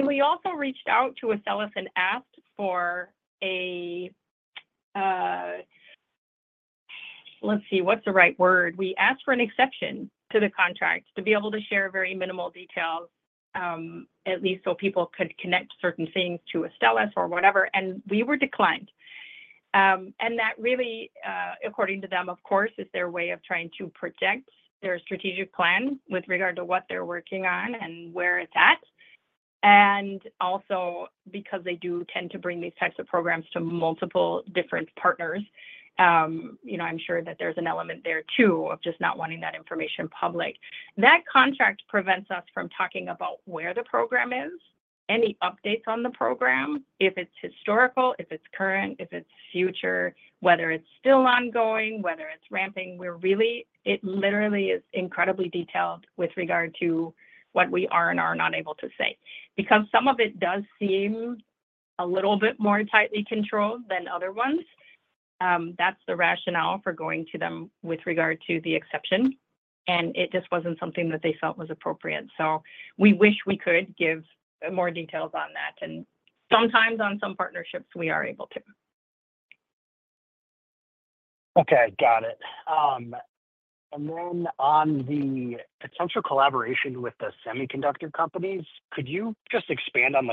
We also reached out to Astellas and asked for a, let's see, what's the right word? We asked for an exception to the contract to be able to share very minimal details, at least so people could connect certain things to Astellas or whatever, and we were declined. That really, according to them, of course, is their way of trying to project their strategic plan with regard to what they're working on and where it's at. Also because they do tend to bring these types of programs to multiple different partners, I'm sure that there's an element there too of just not wanting that information public. That contract prevents us from talking about where the program is, any updates on the program, if it's historical, if it's current, if it's future, whether it's still ongoing, whether it's ramping. It literally is incredibly detailed with regard to what we are and are not able to say. Because some of it does seem a little bit more tightly controlled than other ones, that's the rationale for going to them with regard to the exception, and it just wasn't something that they felt was appropriate. So we wish we could give more details on that, and sometimes on some partnerships, we are able to. Okay. Got it. And then on the potential collaboration with the semiconductor companies, could you just expand on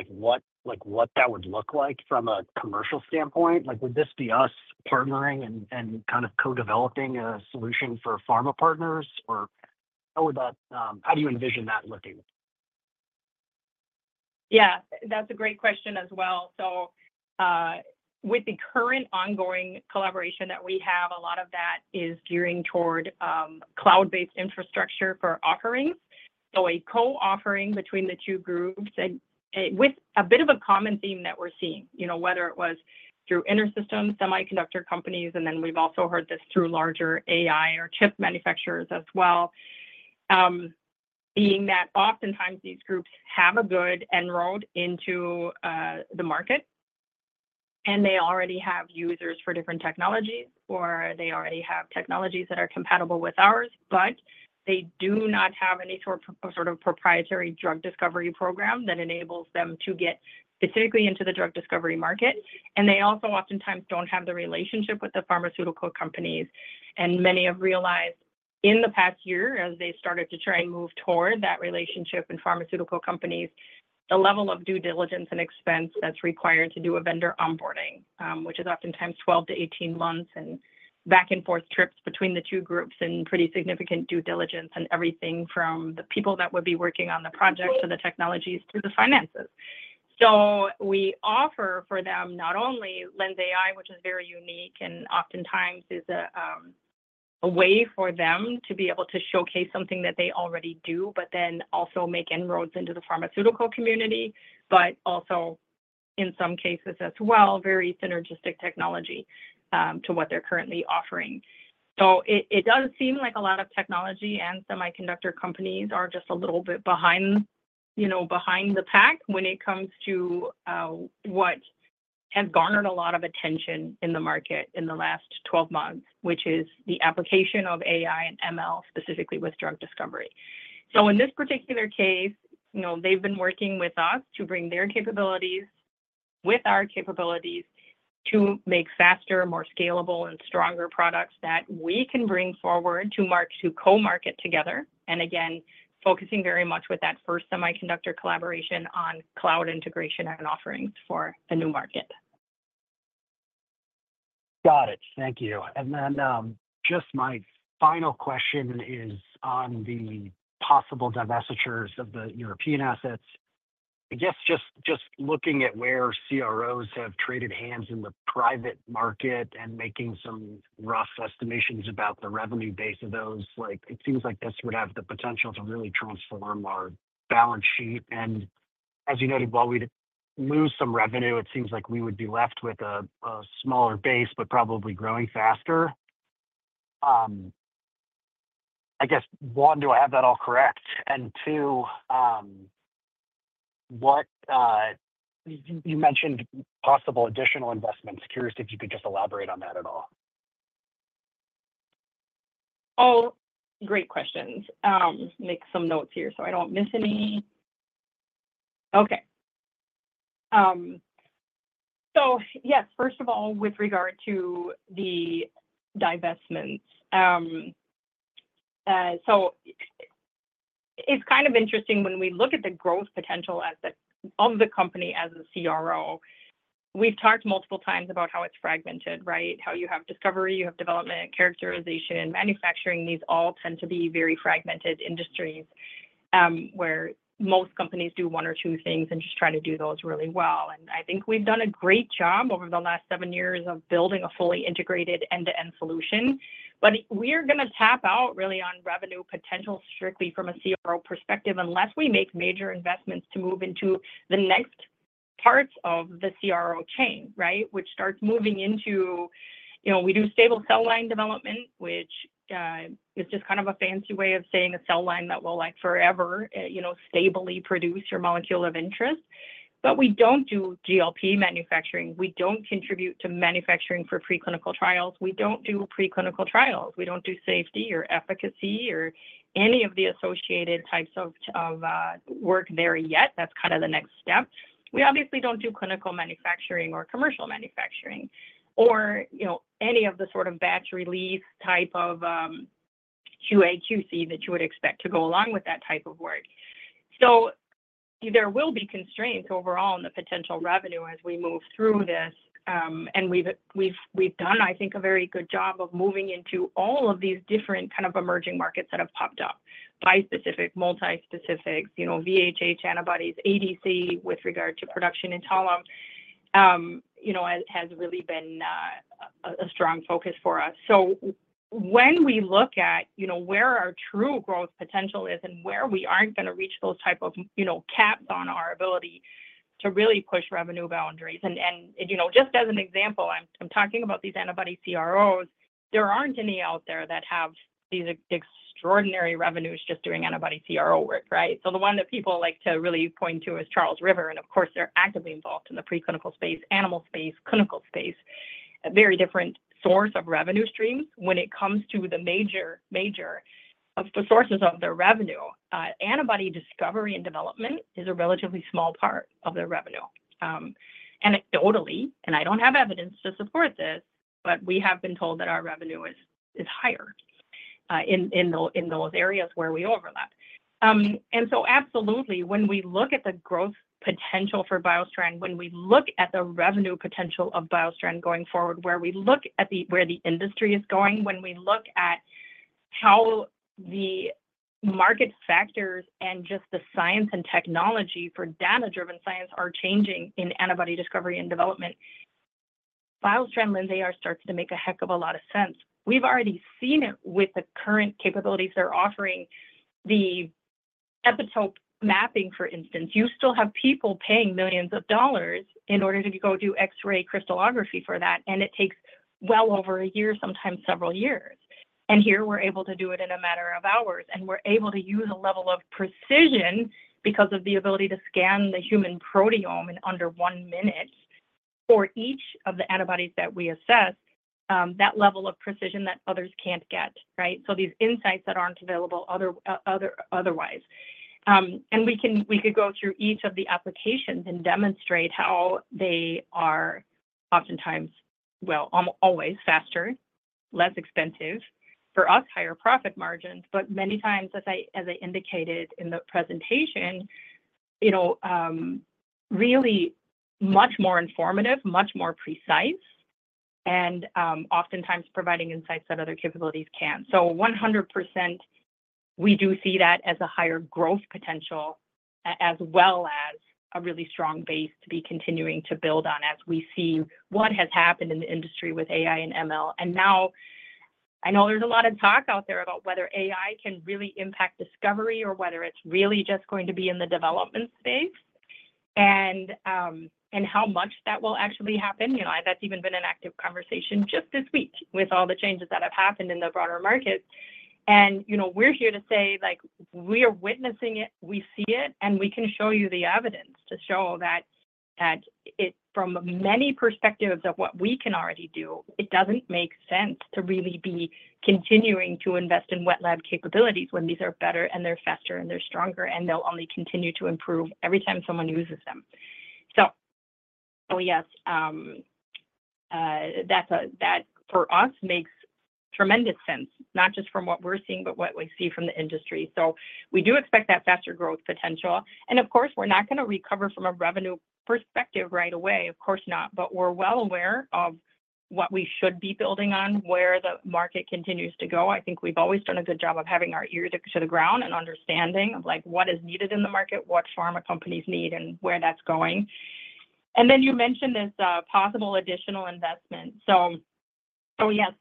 what that would look like from a commercial standpoint? Would this be us partnering and kind of co-developing a solution for pharma partners, or how do you envision that looking? Yeah. That's a great question as well. So with the current ongoing collaboration that we have, a lot of that is gearing toward cloud-based infrastructure for offerings. A co-offering between the two groups with a bit of a common theme that we're seeing, whether it was through InterSystems, semiconductor companies, and then we've also heard this through larger AI or chip manufacturers as well, being that oftentimes these groups have a good inroad into the market, and they already have users for different technologies, or they already have technologies that are compatible with ours, but they do not have any sort of proprietary drug discovery program that enables them to get specifically into the drug discovery market. And they also oftentimes don't have the relationship with the pharmaceutical companies. And many have realized in the past year, as they started to try and move toward that relationship and pharmaceutical companies, the level of due diligence and expense that's required to do a vendor onboarding, which is oftentimes 12-18 months and back-and-forth trips between the two groups and pretty significant due diligence and everything from the people that would be working on the project to the technologies to the finances. So we offer for them not only LENSai, which is very unique and oftentimes is a way for them to be able to showcase something that they already do, but then also make inroads into the pharmaceutical community, but also in some cases as well, very synergistic technology to what they're currently offering. So it does seem like a lot of technology and semiconductor companies are just a little bit behind the pack when it comes to what has garnered a lot of attention in the market in the last 12 months, which is the application of AI and ML specifically with drug discovery. So in this particular case, they've been working with us to bring their capabilities with our capabilities to make faster, more scalable, and stronger products that we can bring forward to co-market together. And again, focusing very much with that first semiconductor collaboration on cloud integration and offerings for a new market. Got it. Thank you. And then just my final question is on the possible divestitures of the European assets. I guess just looking at where CROs have traded hands in the private market and making some rough estimations about the revenue base of those, it seems like this would have the potential to really transform our balance sheet. And as you noted, while we lose some revenue, it seems like we would be left with a smaller base, but probably growing faster. I guess, one, do I have that all correct? And two, you mentioned possible additional investments. Curious if you could just elaborate on that at all. Oh, great questions. Make some notes here so I don't miss any. Okay. So yes, first of all, with regard to the divestments, so it's kind of interesting when we look at the growth potential of the company as a CRO. We've talked multiple times about how it's fragmented, right? How you have discovery, you have development, characterization, and manufacturing. These all tend to be very fragmented industries where most companies do one or two things and just try to do those really well. And I think we've done a great job over the last seven years of building a fully integrated end-to-end solution, but we are going to tap out really on revenue potential strictly from a CRO perspective unless we make major investments to move into the next parts of the CRO chain, right, which starts moving into we do stable cell line development, which is just kind of a fancy way of saying a cell line that will forever stably produce your molecule of interest. But we don't do GLP manufacturing. We don't contribute to manufacturing for preclinical trials. We don't do preclinical trials. We don't do safety or efficacy or any of the associated types of work there yet. That's kind of the next step. We obviously don't do clinical manufacturing or commercial manufacturing or any of the sort of batch release type of QA/QC that you would expect to go along with that type of work. So there will be constraints overall in the potential revenue as we move through this, and we've done, I think, a very good job of moving into all of these different kind of emerging markets that have popped up: bispecific, multi-specific, VHH antibodies, ADC with regard to production in Talem has really been a strong focus for us, so when we look at where our true growth potential is and where we aren't going to reach those type of caps on our ability to really push revenue boundaries, and just as an example, I'm talking about these antibody CROs. There aren't any out there that have these extraordinary revenues just doing antibody CRO work, right? The one that people like to really point to is Charles River, and of course, they're actively involved in the preclinical space, animal space, clinical space, a very different source of revenue streams when it comes to the major sources of their revenue. Antibody discovery and development is a relatively small part of their revenue. Anecdotally, and I don't have evidence to support this, but we have been told that our revenue is higher in those areas where we overlap, and so absolutely, when we look at the growth potential for BioStrand, when we look at the revenue potential of BioStrand going forward, when we look at where the industry is going, when we look at how the market factors and just the science and technology for data-driven science are changing in antibody discovery and development, BioStrand LENSai starts to make a heck of a lot of sense. We've already seen it with the current capabilities they're offering. The epitope mapping, for instance, you still have people paying millions of dollars in order to go do X-ray crystallography for that, and it takes well over a year, sometimes several years. And here we're able to do it in a matter of hours. And we're able to use a level of precision because of the ability to scan the human proteome in under one minute for each of the antibodies that we assess, that level of precision that others can't get, right? So these insights that aren't available otherwise. And we could go through each of the applications and demonstrate how they are oftentimes, well, always faster, less expensive for us, higher profit margins. But many times, as I indicated in the presentation, really much more informative, much more precise, and oftentimes providing insights that other capabilities can. So 100%, we do see that as a higher growth potential as well as a really strong base to be continuing to build on as we see what has happened in the industry with AI and ML. And now I know there's a lot of talk out there about whether AI can really impact discovery or whether it's really just going to be in the development space and how much that will actually happen. That's even been an active conversation just this week with all the changes that have happened in the broader markets. And we're here to say we are witnessing it. We see it, and we can show you the evidence to show that from many perspectives of what we can already do, it doesn't make sense to really be continuing to invest in wet lab capabilities when these are better and they're faster and they're stronger and they'll only continue to improve every time someone uses them. So yes, that for us makes tremendous sense, not just from what we're seeing, but what we see from the industry. So we do expect that faster growth potential. And of course, we're not going to recover from a revenue perspective right away, of course not, but we're well aware of what we should be building on, where the market continues to go. I think we've always done a good job of having our ear to the ground and understanding of what is needed in the market, what pharma companies need, and where that's going. And then you mentioned this possible additional investment. So yes,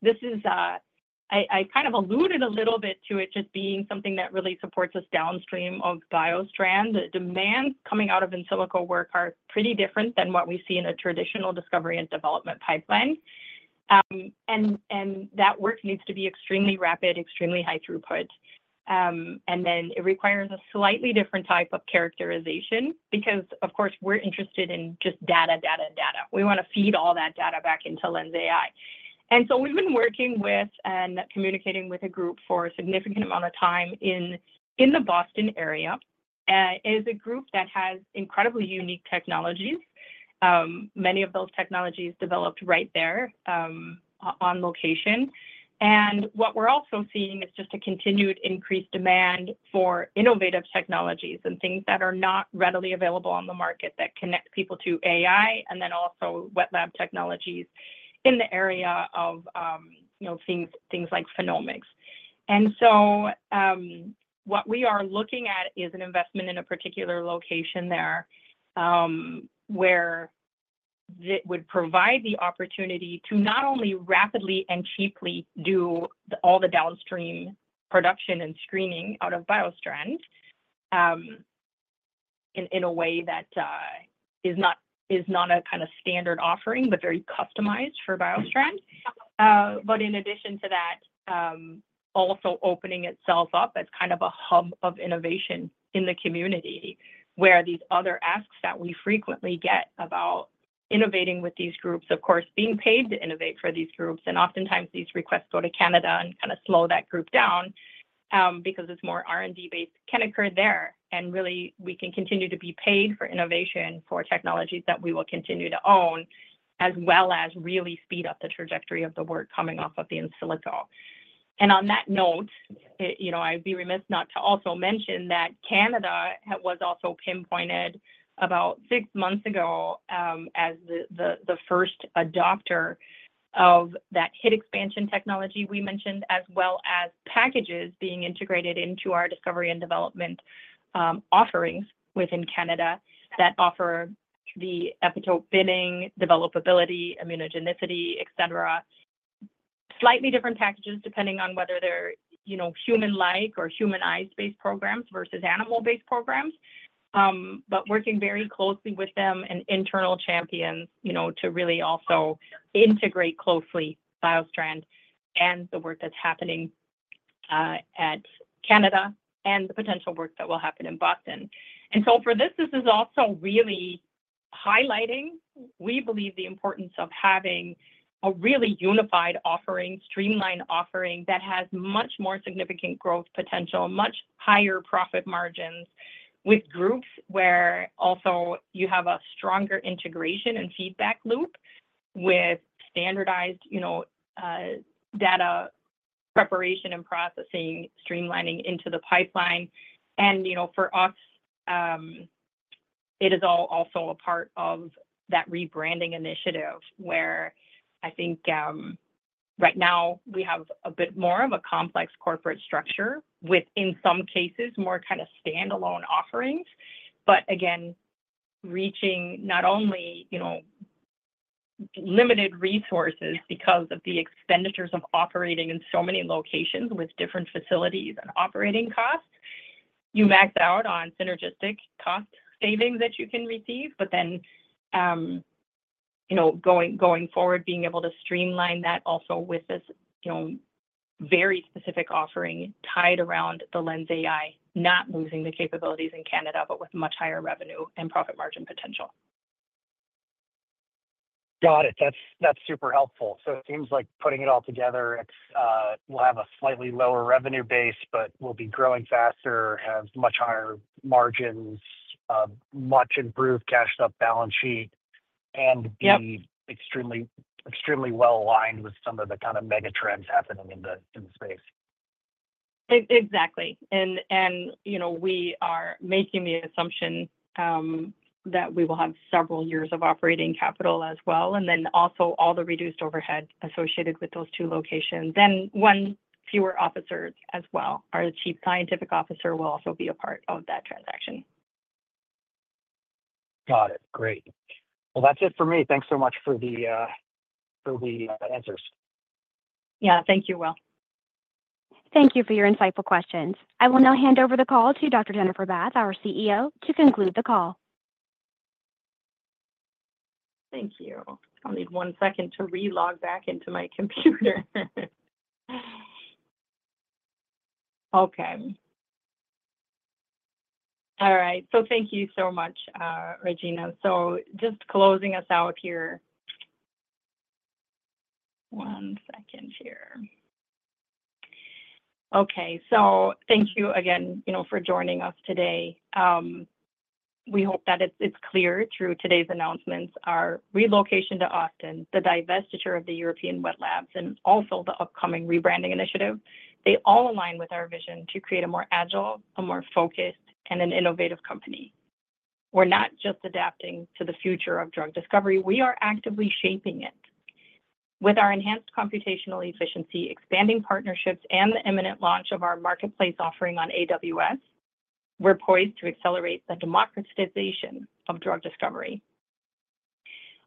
I kind of alluded a little bit to it just being something that really supports us downstream of BioStrand. The demands coming out of in silico work are pretty different than what we see in a traditional discovery and development pipeline. And that work needs to be extremely rapid, extremely high throughput. And then it requires a slightly different type of characterization because, of course, we're interested in just data, data, data. We want to feed all that data back into LENSai. And so we've been working with and communicating with a group for a significant amount of time in the Boston area. It is a group that has incredibly unique technologies. Many of those technologies developed right there on location. And what we're also seeing is just a continued increased demand for innovative technologies and things that are not readily available on the market that connect people to AI and then also wet lab technologies in the area of things like phenomics. And so what we are looking at is an investment in a particular location there where it would provide the opportunity to not only rapidly and cheaply do all the downstream production and screening out of BioStrand in a way that is not a kind of standard offering, but very customized for BioStrand. But in addition to that, also opening itself up as kind of a hub of innovation in the community where these other asks that we frequently get about innovating with these groups, of course, being paid to innovate for these groups. And oftentimes these requests go to Canada and kind of slow that group down because it's more R&D-based can occur there. And really, we can continue to be paid for innovation for technologies that we will continue to own as well as really speed up the trajectory of the work coming off of the in silico. And on that note, I'd be remiss not to also mention that Canada was also pinpointed about six months ago as the first adopter of that HYFT expansion technology we mentioned, as well as packages being integrated into our discovery and development offerings within Canada that offer the epitope binning, developability, immunogenicity, etc. Slightly different packages depending on whether they're human-like or humanized-based programs versus animal-based programs. But working very closely with them and internal champions to really also integrate closely BioStrand and the work that's happening at Canada and the potential work that will happen in Boston. And so for this, this is also really highlighting, we believe, the importance of having a really unified offering, streamlined offering that has much more significant growth potential, much higher profit margins with groups where also you have a stronger integration and feedback loop with standardized data preparation and processing, streamlining into the pipeline. And for us, it is also a part of that rebranding initiative where I think right now we have a bit more of a complex corporate structure with, in some cases, more kind of standalone offerings. But again, reaching not only limited resources because of the expenditures of operating in so many locations with different facilities and operating costs, you max out on synergistic cost savings that you can receive. But then going forward, being able to streamline that also with this very specific offering tied around the LENSai, not losing the capabilities in Canada, but with much higher revenue and profit margin potential. Got it. That's super helpful. So it seems like putting it all together, we'll have a slightly lower revenue base, but we'll be growing faster, have much higher margins, much improved cashed-up balance sheet, and be extremely well aligned with some of the kind of mega trends happening in the space. Exactly. And we are making the assumption that we will have several years of operating capital as well, and then also all the reduced overhead associated with those two locations. And one fewer officer as well, our Chief Scientific Officer will also be a part of that transaction. Got it. Great. Well, that's it for me. Thanks so much for the answers. Yeah. Thank you, Will. Thank you for your insightful questions. I will now hand over the call to Dr. Jennifer Bath, our CEO, to conclude the call. Thank you. I'll need one second to relog back into my computer. Okay. All right. So thank you so much, Regina. So just closing us out here. One second here. Okay. So thank you again for joining us today. We hope that it's clear through today's announcements. Our relocation to Austin, the divestiture of the European wet labs, and also the upcoming rebranding initiative, they all align with our vision to create a more agile, a more focused, and an innovative company. We're not just adapting to the future of drug discovery. We are actively shaping it. With our enhanced computational efficiency, expanding partnerships, and the imminent launch of our marketplace offering on AWS, we're poised to accelerate the democratization of drug discovery.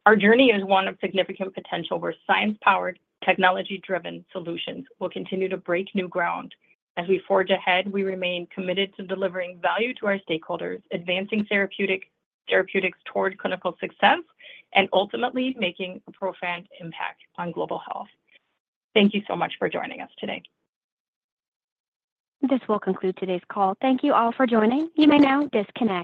Our journey is one of significant potential where science-powered, technology-driven solutions will continue to break new ground as we forge ahead. We remain committed to delivering value to our stakeholders, advancing therapeutics toward clinical success, and ultimately making a profound impact on global health. Thank you so much for joining us today. This will conclude today's call. Thank you all for joining. You may now disconnect.